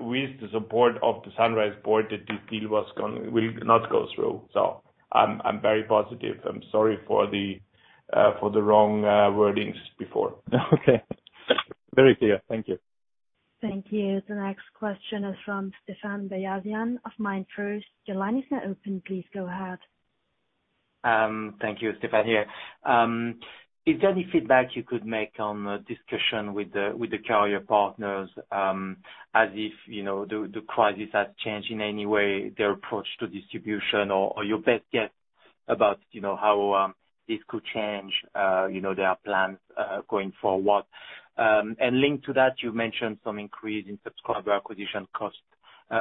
with the support of the Sunrise board, that this deal will not go through. I'm very positive. I'm sorry for the wrong wordings before. Okay. Very clear. Thank you. Thank you. The next question is from Stéphane Beyazian of MainFirst. Your line is now open. Please go ahead. Thank you. Stéphane here. Is there any feedback you could make on discussion with the carrier partners, as if the crisis has changed in any way their approach to distribution, or your best guess about how this could change their plans going forward? Linked to that, you mentioned some increase in subscriber acquisition costs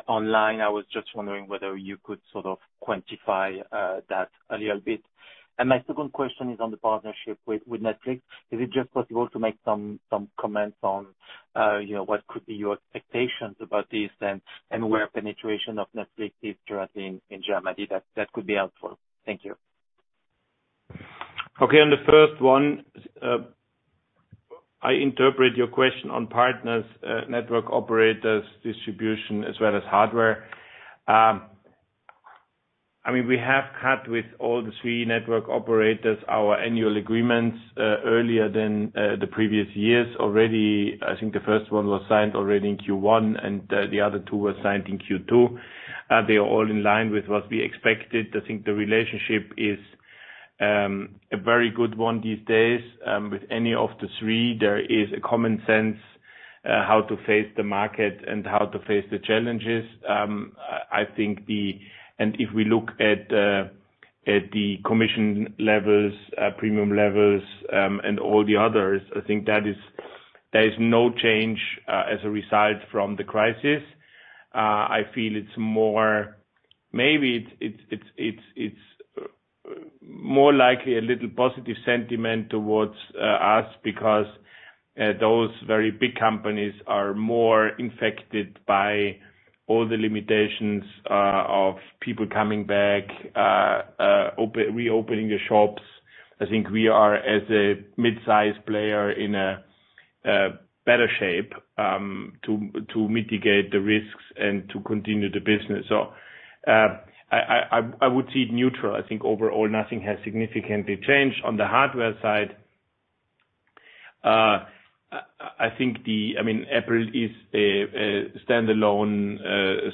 online. I was just wondering whether you could sort of quantify that a little bit. My second question is on the partnership with Netflix. Is it just possible to make some comments on what could be your expectations about this and where penetration of Netflix is currently in Germany? That could be helpful. Thank you. Okay. On the first one, I interpret your question on partners, network operators, distribution, as well as hardware. We have had with all the three network operators our annual agreements earlier than the previous years already. I think the first one was signed already in Q1, and the other two were signed in Q2. They are all in line with what we expected. I think the relationship is a very good one these days with any of the three. There is a common sense how to face the market and how to face the challenges. If we look at the commission levels, premium levels, and all the others, I think there is no change as a result from the crisis. I feel it's more likely a little positive sentiment towards us because those very big companies are more infected by all the limitations of people coming back, reopening the shops. I think we are, as a mid-size player, in a better shape to mitigate the risks and to continue the business. I would see it neutral. I think overall nothing has significantly changed. On the hardware side, Apple is a standalone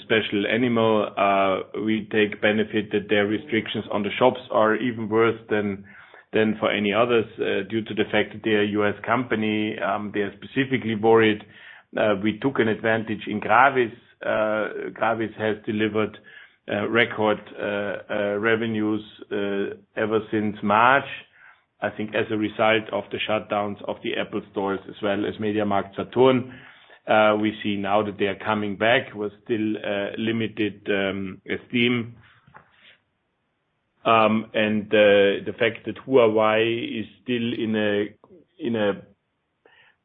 special animal. We take benefit that their restrictions on the shops are even worse than for any others due to the fact that they're a U.S. company. They are specifically worried. We took an advantage in Gravis. Gravis has delivered record revenues ever since March, I think as a result of the shutdowns of the Apple stores as well as MediaMarktSaturn. We see now that they are coming back with still limited steam. The fact that Huawei is still in a,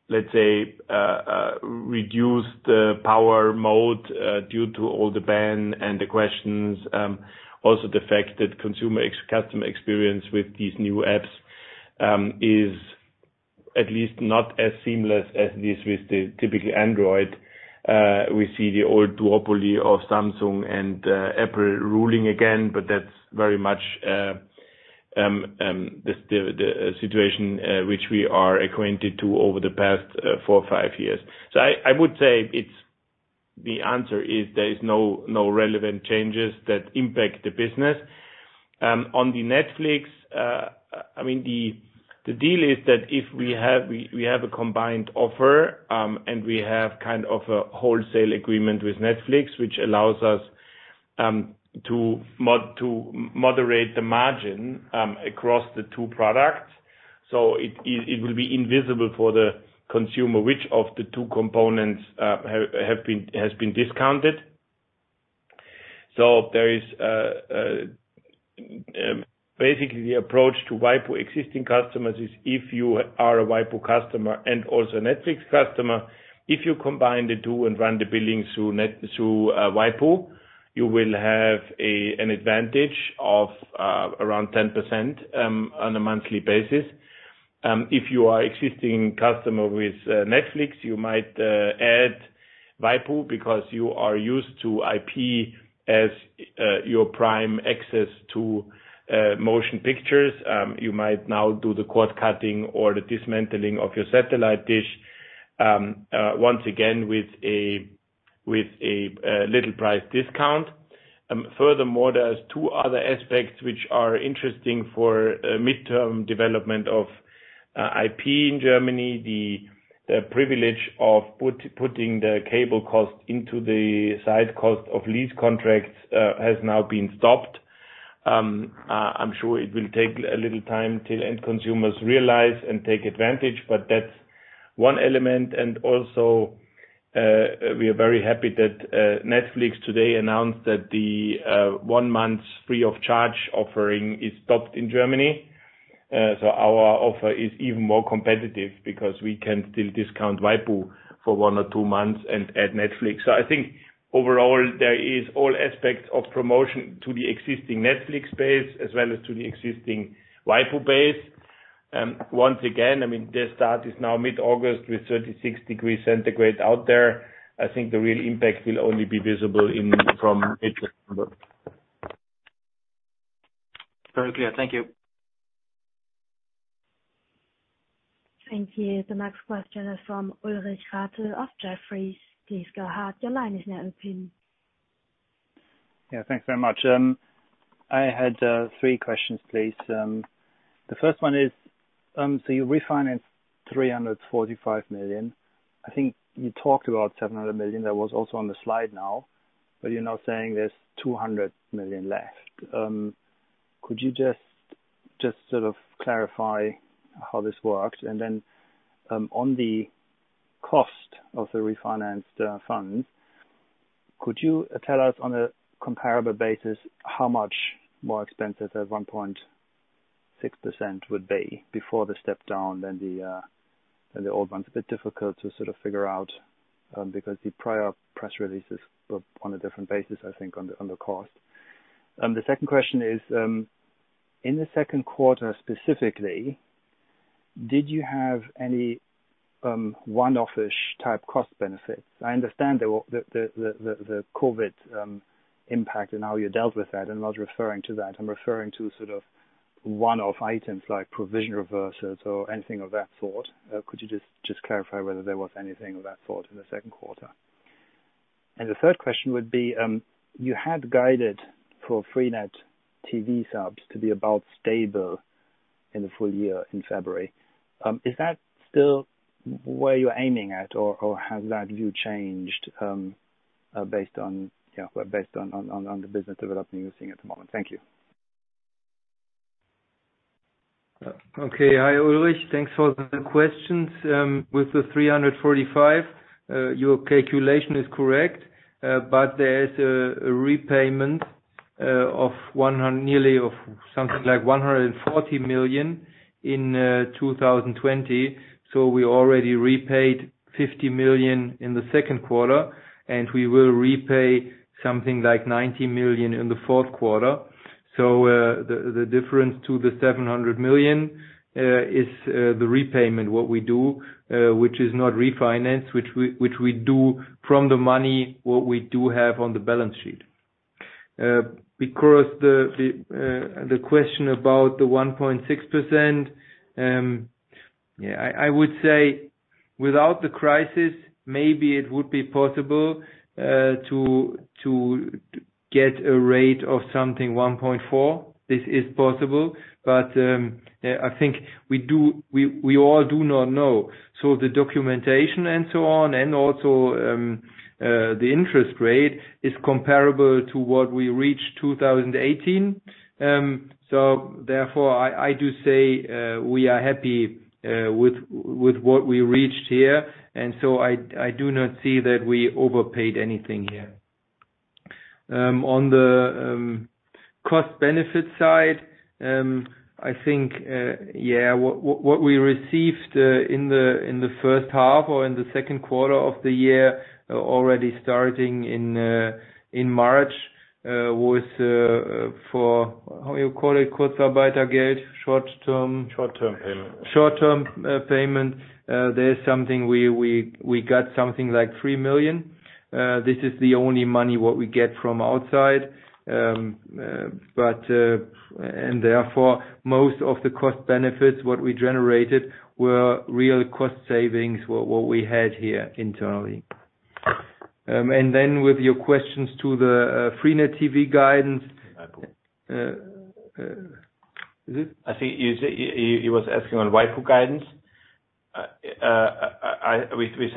let's say, reduced power mode due to all the ban and the questions. The fact that customer experience with these new apps is at least not as seamless as it is with the typical Android. We see the old duopoly of Samsung and Apple ruling again, but that's very much the situation which we are acquainted to over the past four or five years. I would say the answer is there is no relevant changes that impact the business. On the Netflix, the deal is that if we have a combined offer, and we have kind of a wholesale agreement with Netflix, which allows us to moderate the margin across the two products. It will be invisible for the consumer which of the two components has been discounted. Basically, the approach to waipu existing customers is if you are a waipu customer and also Netflix customer, if you combine the two and run the billing through waipu, you will have an advantage of around 10% on a monthly basis. If you are existing customer with Netflix, you might add waipu because you are used to IP as your prime access to motion pictures. You might now do the cord cutting or the dismantling of your satellite dish, once again, with a little price discount. Furthermore, there's two other aspects which are interesting for midterm development of IP in Germany. The privilege of putting the cable cost into the side cost of lease contracts has now been stopped. I'm sure it will take a little time till end consumers realize and take advantage, but that's one element. Also, we are very happy that Netflix today announced that the one month free of charge offering is stopped in Germany. Our offer is even more competitive because we can still discount waipu for one or two months and add Netflix. I think overall, there is all aspects of promotion to the existing Netflix base, as well as to the existing waipu base. Once again, their start is now mid-August with 36 degrees Celsius out there. I think the real impact will only be visible from mid-September. Very clear. Thank you. Thank you. The next question is from Ulrich Rathe of Jefferies. Please go ahead. Your line is now open. Yeah, thanks very much. I had three questions, please. The first one is, you refinance 345 million. I think you talked about 700 million, that was also on the slide now, you're now saying there's 200 million left. Could you just sort of clarify how this works? On the cost of the refinanced funds, could you tell us on a comparable basis how much more expensive that 1.6% would be before the step down than the old one? It's a bit difficult to sort of figure out, because the prior press releases were on a different basis, I think, on the cost. The second question is, in the second quarter specifically, did you have any one-off-ish type cost benefits? I understand the COVID impact and how you dealt with that. I'm not referring to that. I'm referring to sort of one-off items like provision reverses or anything of that sort. Could you just clarify whether there was anything of that sort in the second quarter? The third question would be, you had guided for freenet TV subs to be about stable in the full year in February. Is that still where you're aiming at or has that view changed based on the business development you're seeing at the moment? Thank you. Okay. Hi, Ulrich. Thanks for the questions. With the 345 million, your calculation is correct. There is a repayment of something like 140 million in 2020. We already repaid 50 million in the second quarter, and we will repay something like 90 million in the fourth quarter. The difference to the 700 million is the repayment, what we do, which is not refinance, which we do from the money what we do have on the balance sheet. The question about the 1.6%, I would say without the crisis, maybe it would be possible to get a rate of something 1.4%. This is possible. I think we all do not know. The documentation and so on, and also the interest rate is comparable to what we reached 2018. I do say we are happy with what we reached here. I do not see that we overpaid anything here. On the cost benefit side, I think what we received in the first half or in the second quarter of the year, already starting in March, was for, how you call it, Kurzarbeitergeld. Short-term payment. We got something like 3 million. This is the only money what we get from outside. Most of the cost benefits what we generated were real cost savings, what we had here internally. With your questions to the freenet TV guidance. waipu.tv. Is it? I think he was asking on waipu.tv guidance. We said flat on waipu.tv. No. We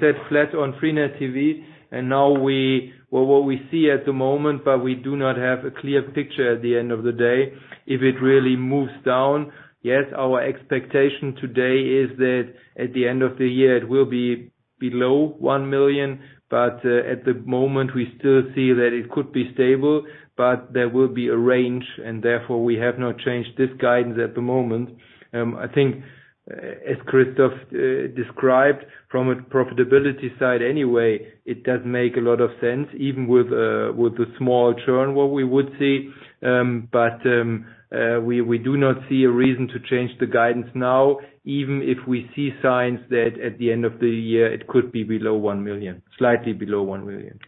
said flat on freenet TV, and now what we see at the moment, but we do not have a clear picture at the end of the day, if it really moves down. Yes, our expectation today is that at the end of the year, it will be below 1 million, but at the moment, we still see that it could be stable, but there will be a range, and therefore we have not changed this guidance at the moment. I think as Christoph described from a profitability side anyway, it does make a lot of sense, even with the small churn what we would see. We do not see a reason to change the guidance now, even if we see signs that at the end of the year, it could be below 1 million, slightly below 1 million.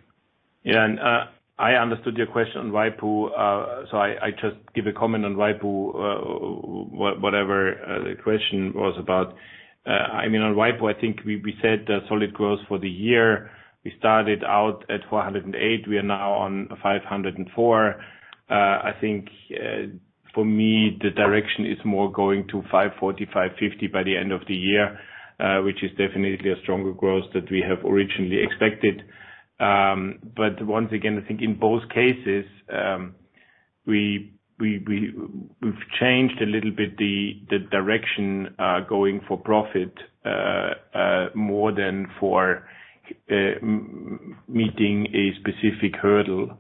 Yeah. I understood your question on waipu. I just give a comment on waipu, whatever the question was about. On waipu, I think we said solid growth for the year. We started out at 408 million, we are now on 504 million. I think, for me, the direction is more going to 540 million, 550 million by the end of the year. Which is definitely a stronger growth that we have originally expected. Once again, I think in both cases we've changed a little bit the direction going for profit more than for meeting a specific hurdle.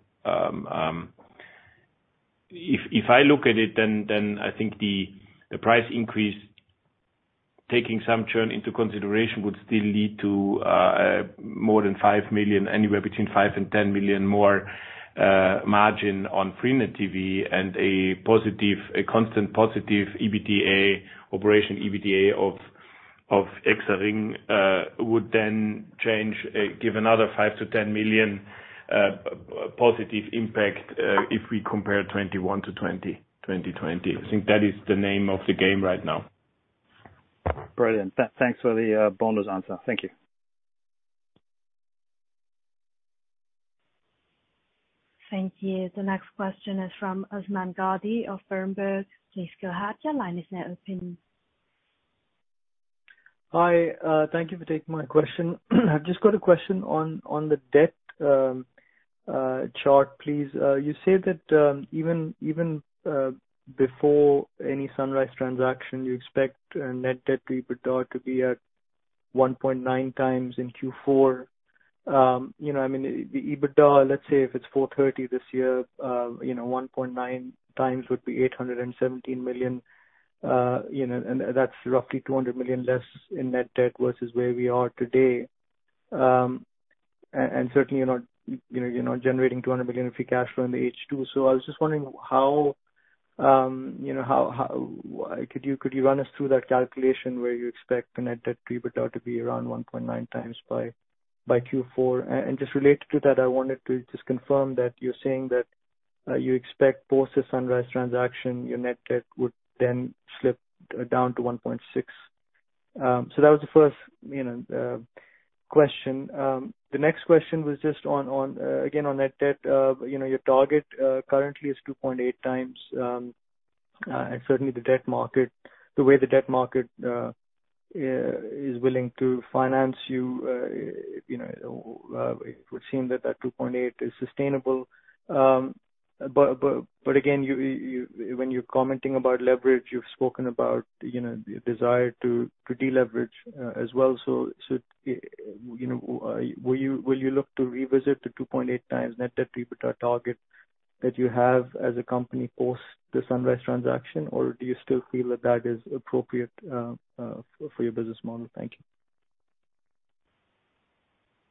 If I look at it, I think the price increase, taking some churn into consideration, would still lead to more than 5 million, anywhere between 5 million and 10 million more margin on freenet TV and a constant positive operating EBITDA of Exaring would then give another 5 million-10 million positive impact if we compare 2021 to 2020. I think that is the name of the game right now. Brilliant. Thanks for the bonus answer. Thank you. Thank you. The next question is from Usman Ghazi of Berenberg. Please go ahead, your line is now open. Hi, thank you for taking my question. I've just got a question on the debt chart, please. You say that even before any Sunrise transaction, you expect net debt to EBITDA to be at 1.9x in Q4. The EBITDA, let's say if it's 430 million this year, 1.9x would be 817 million. That's roughly 200 million less in net debt versus where we are today. Certainly, generating 200 million of free cash flow in the H2. I was just wondering, could you run us through that calculation where you expect the net debt to EBITDA to be around 1.9x by Q4? Just related to that, I wanted to just confirm that you're saying that you expect post the Sunrise transaction, your net debt would then slip down to 1.6x. That was the first question. The next question was just on, again, on net debt. Your target currently is 2.8x. Certainly the way the debt market is willing to finance you, it would seem that that 2.8x is sustainable. Again, when you're commenting about leverage, you've spoken about your desire to deleverage as well. Will you look to revisit the 2.8x net debt to EBITDA target that you have as a company post the Sunrise transaction, or do you still feel that that is appropriate for your business model? Thank you.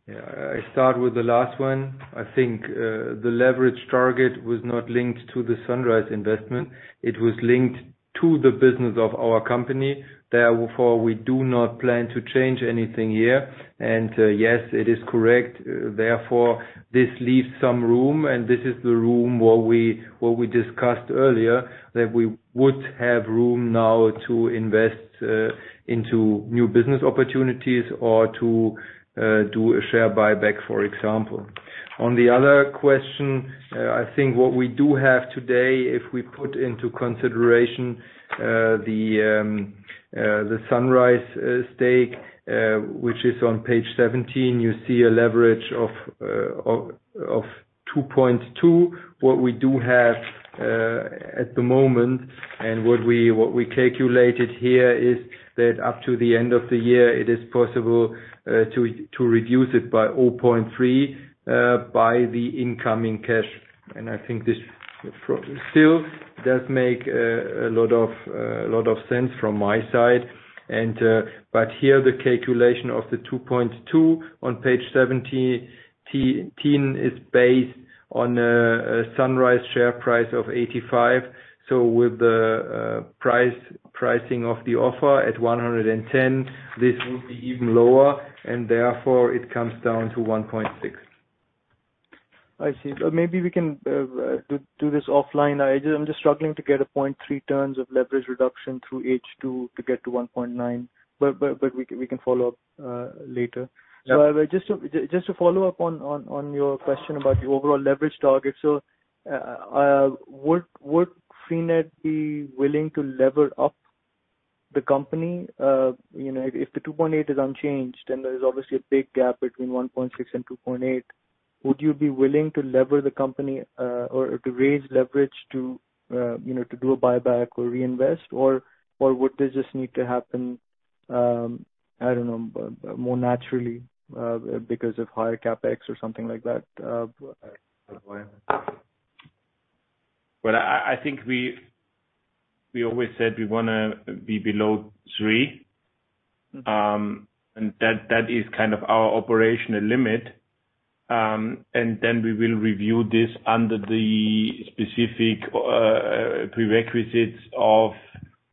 Yeah. I start with the last one. I think the leverage target was not linked to the Sunrise investment. It was linked to the business of our company. Therefore, we do not plan to change anything here. Yes, it is correct. Therefore, this leaves some room, and this is the room what we discussed earlier, that we would have room now to invest into new business opportunities or to do a share buyback, for example. On the other question, I think what we do have today, if we put into consideration the Sunrise stake, which is on page 17, you see a leverage of 2.2x. What we do have at the moment, and what we calculated here is that up to the end of the year, it is possible to reduce it by 0.3x by the incoming cash. I think this still does make a lot of sense from my side. Here the calculation of the 2.2x on page 17 is based on a Sunrise share price of 85. With the pricing of the offer at 110, this will be even lower, and therefore it comes down to 1.6x. I see. Maybe we can do this offline. I'm just struggling to get a 0.3x terms of leverage reduction through H2 to get to 1.9x, but we can follow up later. Yeah. Just to follow up on your question about the overall leverage target. Would freenet be willing to lever up the company? If the 2.8x is unchanged, then there is obviously a big gap between 1.6x and 2.8x. Would you be willing to lever the company or to raise leverage to do a buyback or reinvest, or would this just need to happen, I don't know, more naturally because of higher CapEx or something like that? I think we always said we want to be below 3.0x, and that is kind of our operational limit. Then we will review this under the specific prerequisites of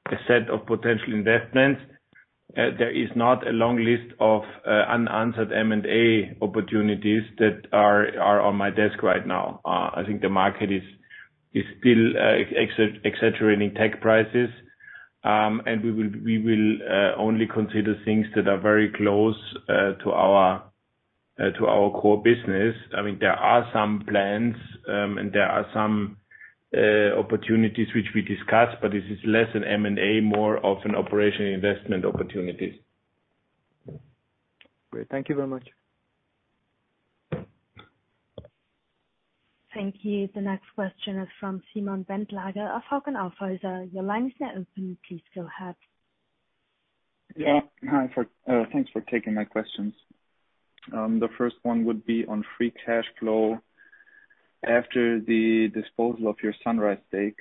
a set of potential investments. There is not a long list of unanswered M&A opportunities that are on my desk right now. I think the market is still exaggerating tech prices. We will only consider things that are very close to our core business. There are some plans, and there are some opportunities which we discussed, but this is less an M&A, more of an operational investment opportunities. Great. Thank you very much. Thank you. The next question is from Simon Bentlage of Hauck Aufhäuser. Your line is now open. Please go ahead. Yeah. Hi. Thanks for taking my questions. The first one would be on free cash flow after the disposal of your Sunrise stake.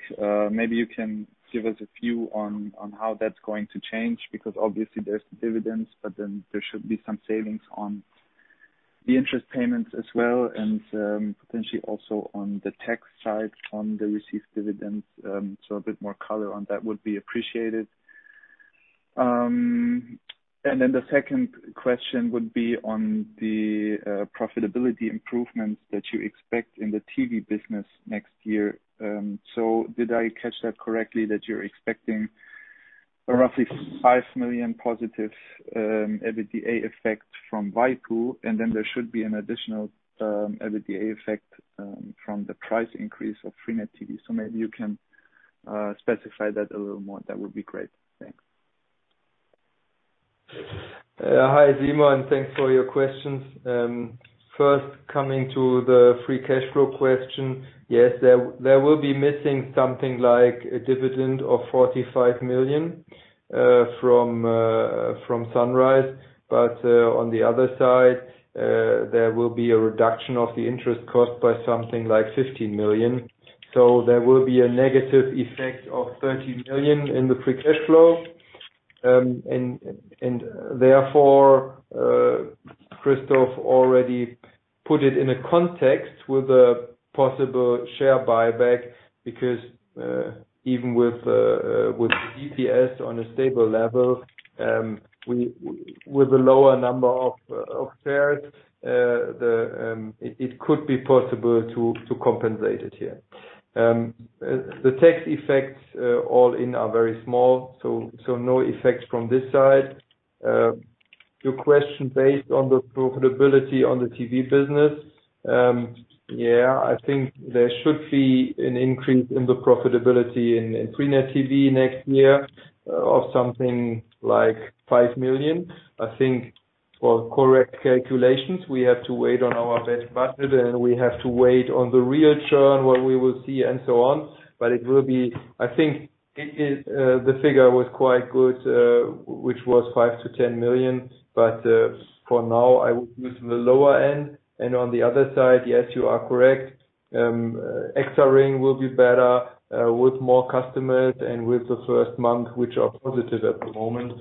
Maybe you can give us a view on how that's going to change, because obviously there's the dividends, but then there should be some savings on the interest payments as well, and potentially also on the tax side on the received dividends. A bit more color on that would be appreciated. The second question would be on the profitability improvements that you expect in the TV business next year. Did I catch that correctly that you're expecting roughly 5 million positive EBITDA effect from waipu, and then there should be an additional EBITDA effect from the price increase of freenet TV. Maybe you can specify that a little more. That would be great. Thanks. Hi, Simon. Thanks for your questions. First, coming to the free cash flow question. Yes, there will be missing something like a dividend of 45 million from Sunrise. On the other side, there will be a reduction of the interest cost by something like 15 million. There will be a negative effect of 30 million in the free cash flow. Therefore, Christoph already put it in a context with a possible share buyback because, even with EPS on a stable level, with a lower number of shares, it could be possible to compensate it here. The tax effects all in are very small, so no effects from this side. Your question based on the profitability on the TV business. Yeah, I think there should be an increase in the profitability in freenet TV next year of something like 5 million. I think for correct calculations, we have to wait on our best budget and we have to wait on the real churn, what we will see and so on. It will be, I think, the figure was quite good, which was 5 million-10 million. For now, I would use the lower end. On the other side, yes, you are correct. Exaring will be better with more customers and with the first month, which are positive at the moment.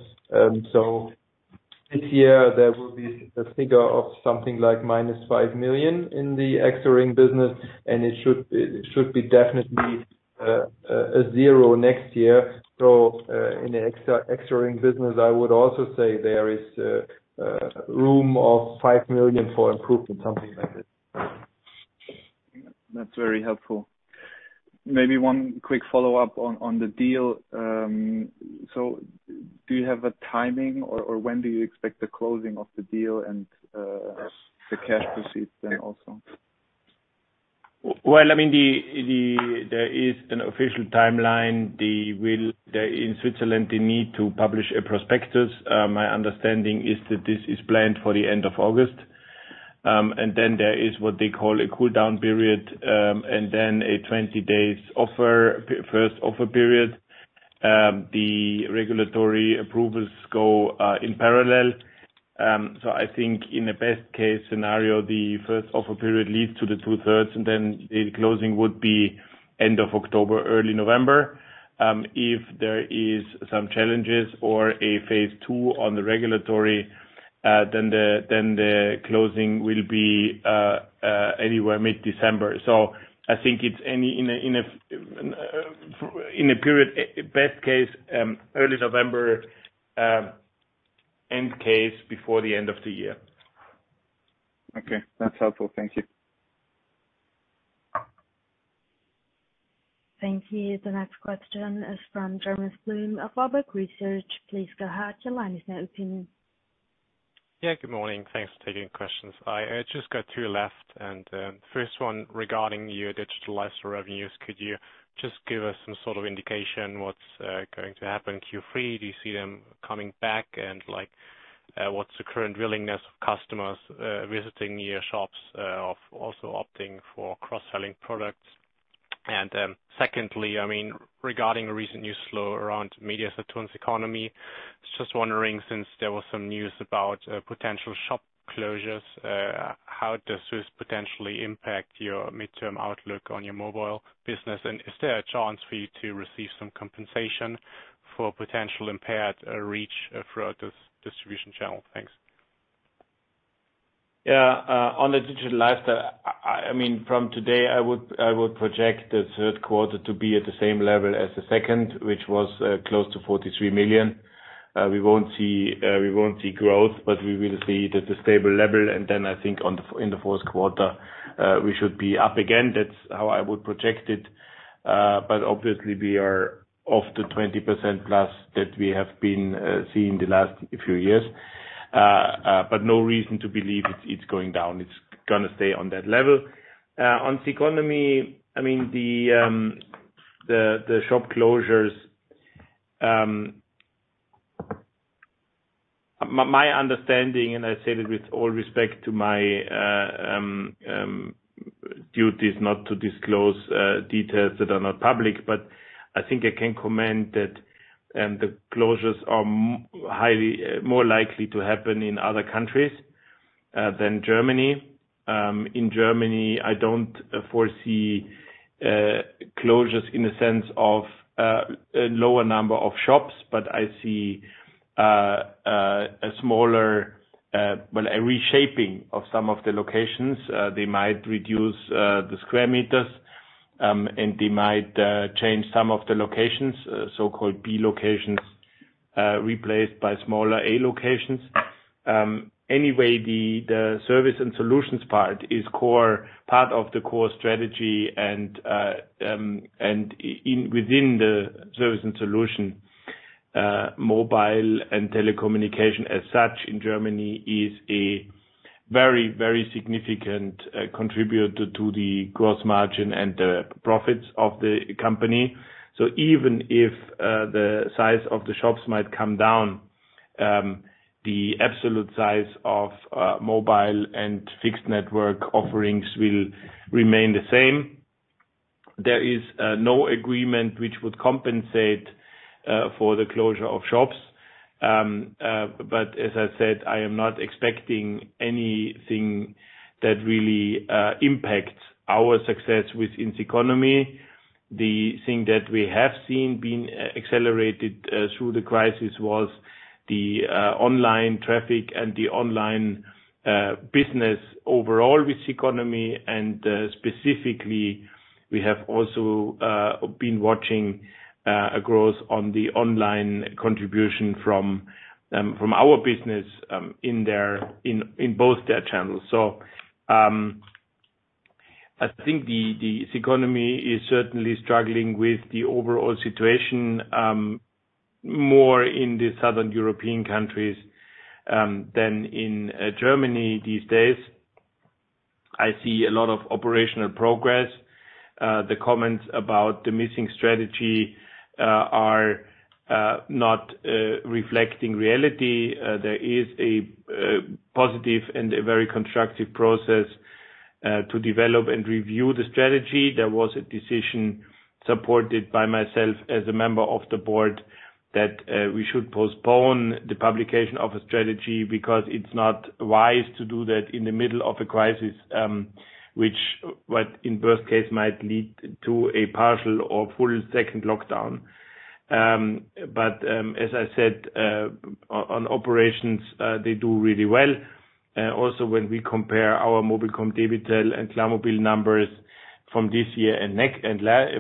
This year there will be a figure of something like minus 5 million in the Exaring business, and it should be definitely a zero next year. In the Exaring business, I would also say there is room of 5 million for improvement, something like this. That's very helpful. Maybe one quick follow-up on the deal. Do you have a timing, or when do you expect the closing of the deal and the cash proceeds then also? There is an official timeline. In Switzerland, they need to publish a prospectus. My understanding is that this is planned for the end of August. Then there is what they call a cool-down period, then a 20 days first offer period. The regulatory approvals go in parallel. I think in the best case scenario, the first offer period leads to the two-thirds, then the closing would be end of October, early November. If there is some challenges or a phase two on the regulatory, then the closing will be anywhere mid-December. I think it's in a period, best case, early November, end case, before the end of the year. Okay. That's helpful. Thank you. Thank you. The next question is from Jonas Blum of Warburg Research. Please go ahead. Your line is now open. Yeah. Good morning. Thanks for taking questions. I just got two left. First one regarding your Digitalife revenues. Could you just give us some sort of indication what's going to happen in Q3? Do you see them coming back and what's the current willingness of customers visiting your shops, of also opting for cross-selling products? Secondly, regarding the recent news flow around MediaMarktSaturn's Ceconomy, just wondering, since there was some news about potential shop closures, how this potentially impact your midterm outlook on your mobile business? Is there a chance for you to receive some compensation for potential impaired reach throughout this distribution channel? Thanks. Yeah. On the Digitalife, from today, I would project the third quarter to be at the same level as the second, which was close to 43 million. We won't see growth, but we will see the stable level. I think in the fourth quarter, we should be up again. That's how I would project it. Obviously, we are off the 20%+ that we have been seeing the last few years. No reason to believe it's going down. It's going to stay on that level. On Ceconomy, the shop closures, my understanding, and I say that with all respect to my duties not to disclose details that are not public, but I think I can comment that the closures are more likely to happen in other countries than Germany. In Germany, I don't foresee closures in the sense of a lower number of shops, but I see a reshaping of some of the locations. They might reduce the square meters, and they might change some of the locations, so-called B locations, replaced by smaller A locations. Anyway, the service and solutions part is part of the core strategy and within the service and solution, mobile and telecommunication as such in Germany is a very significant contributor to the gross margin and the profits of the company. Even if the size of the shops might come down, the absolute size of mobile and fixed network offerings will remain the same. There is no agreement which would compensate for the closure of shops. As I said, I am not expecting anything that really impacts our success within Ceconomy. The thing that we have seen being accelerated through the crisis was the online traffic and the online business overall with Ceconomy, and specifically, we have also been watching a growth on the online contribution from our business in both their channels. I think the Ceconomy is certainly struggling with the overall situation, more in the southern European countries than in Germany these days. I see a lot of operational progress. The comments about the missing strategy are not reflecting reality. There is a positive and a very constructive process to develop and review the strategy. There was a decision supported by myself as a member of the board that we should postpone the publication of a strategy because it's not wise to do that in the middle of a crisis, what in worst case might lead to a partial or full second lockdown. As I said, on operations, they do really well. When we compare our mobilcom-debitel and klarmobil numbers from this year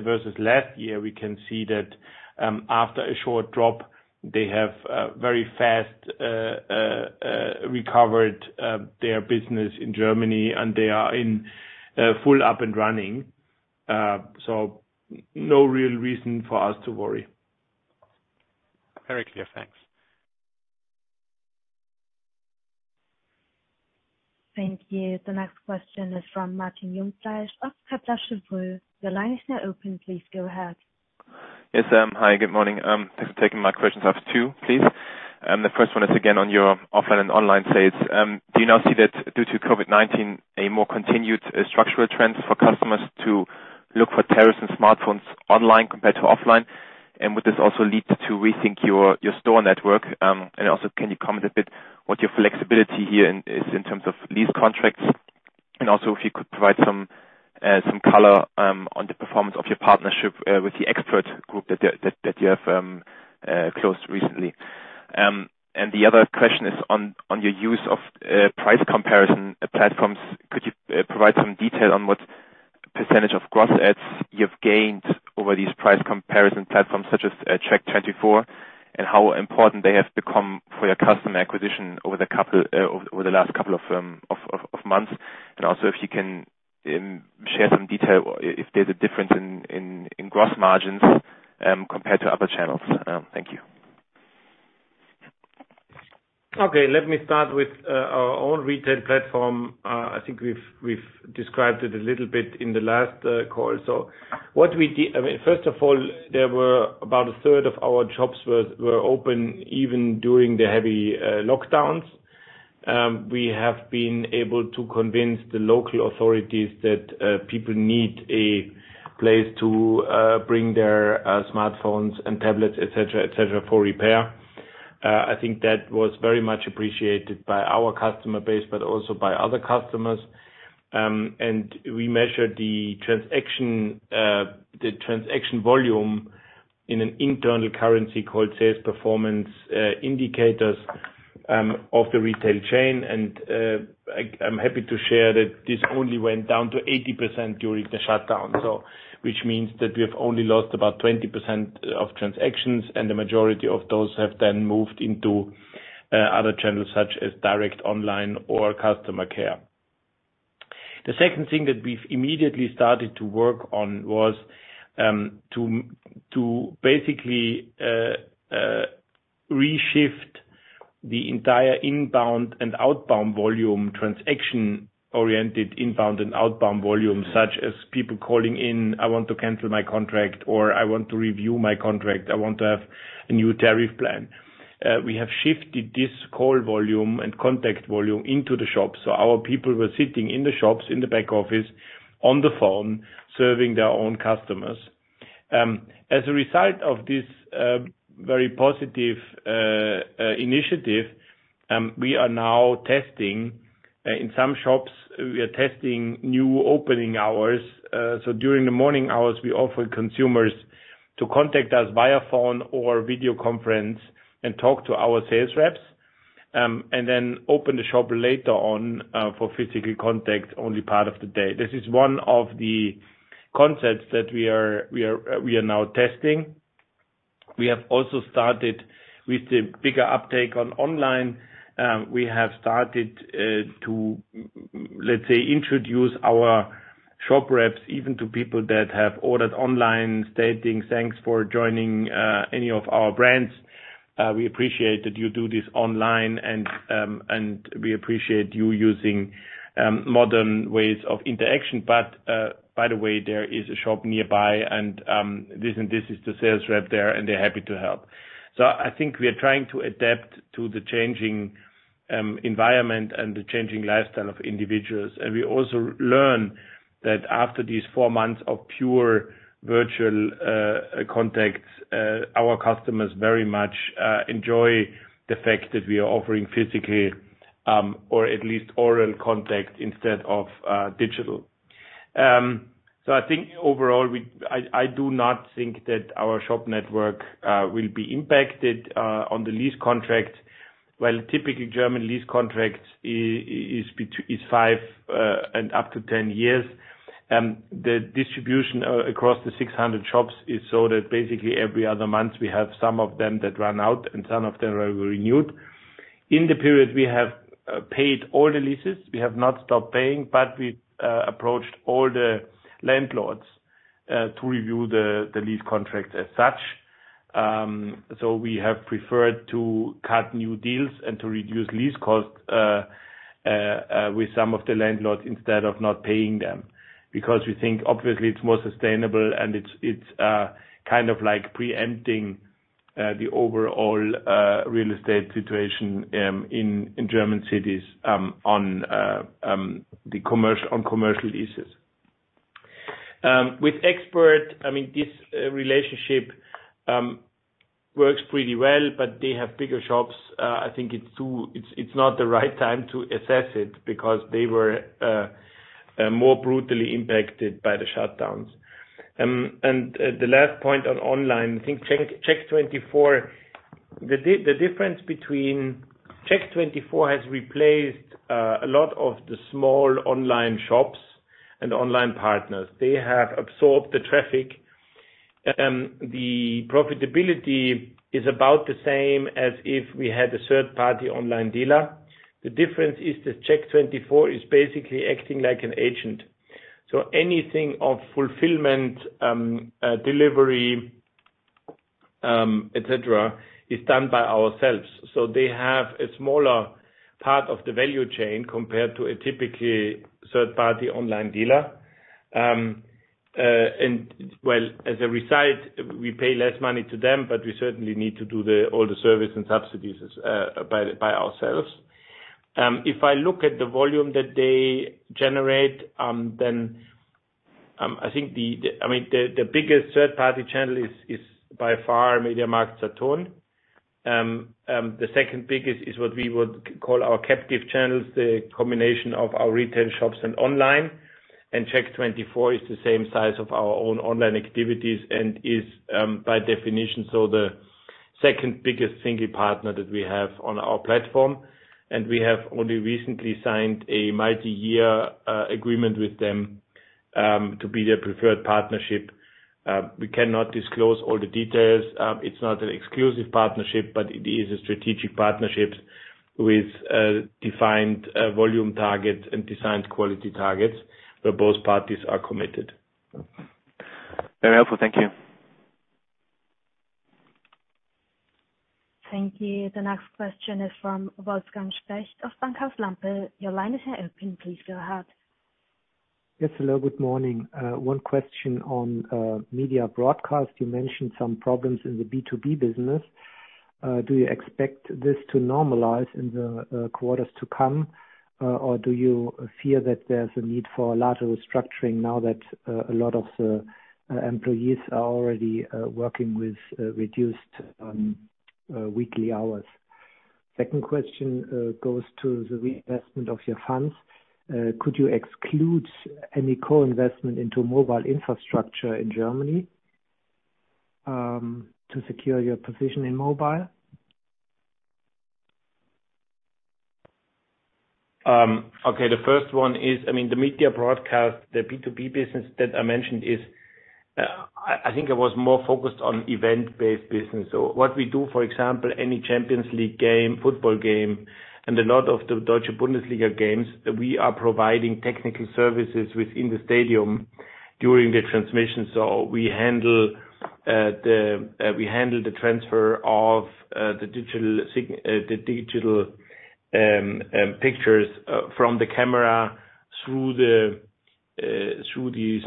versus last year, we can see that after a short drop, they have very fast recovered their business in Germany, and they are in full up and running. No real reason for us to worry. Very clear. Thanks. Thank you. The next question is from Martin Jungfleisch of Kepler Cheuvreux. The line is now open. Please go ahead. Yes. Hi, good morning. Thanks for taking my questions after two, please. The first one is again on your offline and online sales. Do you now see that due to COVID-19, a more continued structural trend for customers to look for tariffs and smartphones online compared to offline? Would this also lead to rethink your store network? Can you comment a bit what your flexibility here is in terms of lease contracts? If you could provide some color on the performance of your partnership with the Expert Group that you have closed recently. The other question is on your use of price comparison platforms. Could you provide some detail on what percentage of gross adds you've gained over these price comparison platforms such as Check24, and how important they have become for your customer acquisition over the last couple of months? Also if you can share some detail, if there is a difference in gross margins compared to other channels. Thank you. Okay. Let me start with our own retail platform. I think we've described it a little bit in the last call. First of all, there were about a third of our shops were open, even during the heavy lockdowns. We have been able to convince the local authorities that people need a place to bring their smartphones and tablets, et cetera, et cetera, for repair. I think that was very much appreciated by our customer base, but also by other customers. We measured the transaction volume in an internal currency called sales performance indicators of the retail chain, and I'm happy to share that this only went down to 80% during the shutdown. We have only lost about 20% of transactions. The majority of those have moved into other channels such as direct online or customer care. The second thing that we've immediately started to work on was to basically reshift the entire inbound and outbound volume, transaction-oriented inbound and outbound volume, such as people calling in, "I want to cancel my contract," or, "I want to review my contract. I want to have a new tariff plan." We have shifted this call volume and contact volume into the shop. Our people were sitting in the shops, in the back office, on the phone, serving their own customers. As a result of this very positive initiative, we are now testing, in some shops, we are testing new opening hours. During the morning hours, we offer consumers to contact us via phone or video conference and talk to our sales reps, and then open the shop later on for physical contact only part of the day. This is one of the concepts that we are now testing. We have also started with a bigger uptake on online. We have started to, let's say, introduce our shop reps even to people that have ordered online, stating, "Thanks for joining any of our brands. We appreciate that you do this online, and we appreciate you using modern ways of interaction. By the way, there is a shop nearby, and this is the sales rep there, and they're happy to help." I think we are trying to adapt to the changing environment and the changing lifestyle of individuals. We also learn that after these four months of pure virtual contacts, our customers very much enjoy the fact that we are offering physically, or at least oral contact instead of digital. I think overall, I do not think that our shop network will be impacted on the lease contract. Typically German lease contract is five and up to 10 years. The distribution across the 600 shops is so that basically every other month we have some of them that run out and some of them are renewed. In the period, we have paid all the leases. We have not stopped paying, but we approached all the landlords to review the lease contract as such. We have preferred to cut new deals and to reduce lease costs with some of the landlords instead of not paying them, because we think obviously it's more sustainable and it's kind of pre-empting the overall real estate situation in German cities on commercial leases. With Expert Group, this relationship works pretty well. They have bigger shops. I think it's not the right time to assess it because they were more brutally impacted by the shutdowns. The last point on online, I think Check24, the difference between Check24 has replaced a lot of the small online shops and online partners. They have absorbed the traffic. The profitability is about the same as if we had a third-party online dealer. The difference is that Check24 is basically acting like an agent. Anything of fulfillment, delivery, et cetera, is done by ourselves. They have a smaller part of the value chain compared to a typically third-party online dealer. Well, as a result, we pay less money to them, but we certainly need to do all the service and subsidies by ourselves. If I look at the volume that they generate, then I think the biggest third-party channel is by far MediaMarktSaturn. The second biggest is what we would call our captive channels, the combination of our retail shops and online. Check24 is the same size of our own online activities and is by definition so the second biggest single partner that we have on our platform. We have only recently signed a multi-year agreement with them to be their preferred partnership. We cannot disclose all the details. It's not an exclusive partnership, but it is a strategic partnership with defined volume target and defined quality targets where both parties are committed. Very helpful. Thank you. Thank you. The next question is from Wolfgang Specht of Bankhaus Lampe. Your line is open, please go ahead. Yes. Hello, good morning. One question on Media Broadcast. You mentioned some problems in the B2B business. Do you expect this to normalize in the quarters to come, or do you fear that there's a need for a larger restructuring now that a lot of the employees are already working with reduced weekly hours? Second question goes to the reinvestment of your funds. Could you exclude any co-investment into mobile infrastructure in Germany, to secure your position in mobile? Okay. The first one is, the Media Broadcast, the B2B business that I mentioned is, I think I was more focused on event-based business. What we do, for example, any Champions League game, football game, and a lot of the Deutsche Bundesliga games, we are providing technical services within the stadium during the transmission. We handle the transfer of the digital pictures from the camera through the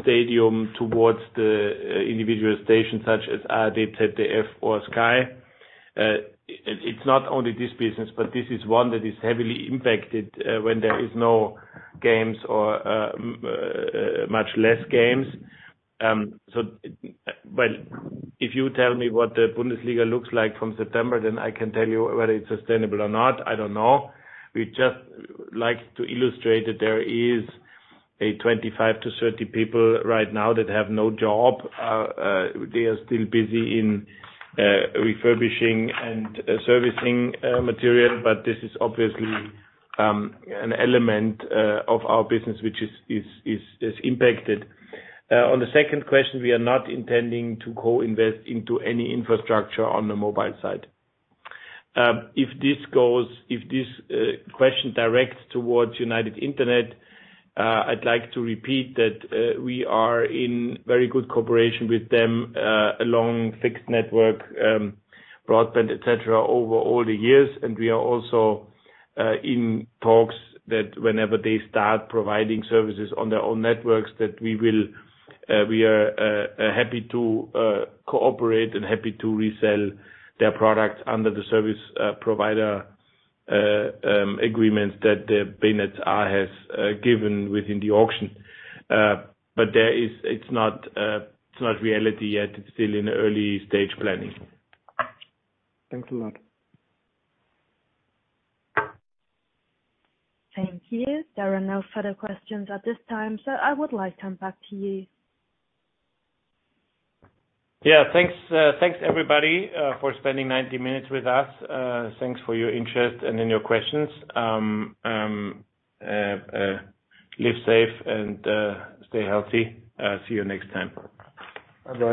stadium towards the individual stations such as ARD, ZDF, or Sky. It's not only this business, but this is one that is heavily impacted when there is no games or much less games. If you tell me what the Bundesliga looks like from September, then I can tell you whether it's sustainable or not. I don't know. We'd just like to illustrate that there is a 25 to 30 people right now that have no job. They are still busy in refurbishing and servicing material, but this is obviously an element of our business which is impacted. On the second question, we are not intending to co-invest into any infrastructure on the mobile side. If this question directs towards United Internet, I'd like to repeat that we are in very good cooperation with them along fixed network, broadband, et cetera, over all the years. We are also in talks that whenever they start providing services on their own networks, that we are happy to cooperate and happy to resell their products under the service provider agreements that freenet has given within the auction. It's not reality yet. It's still in early stage planning. Thanks a lot. Thank you. There are no further questions at this time, so I would like to come back to you. Yeah. Thanks, everybody, for spending 90 minutes with us. Thanks for your interest and your questions. Live safe and stay healthy. See you next time. Bye-bye.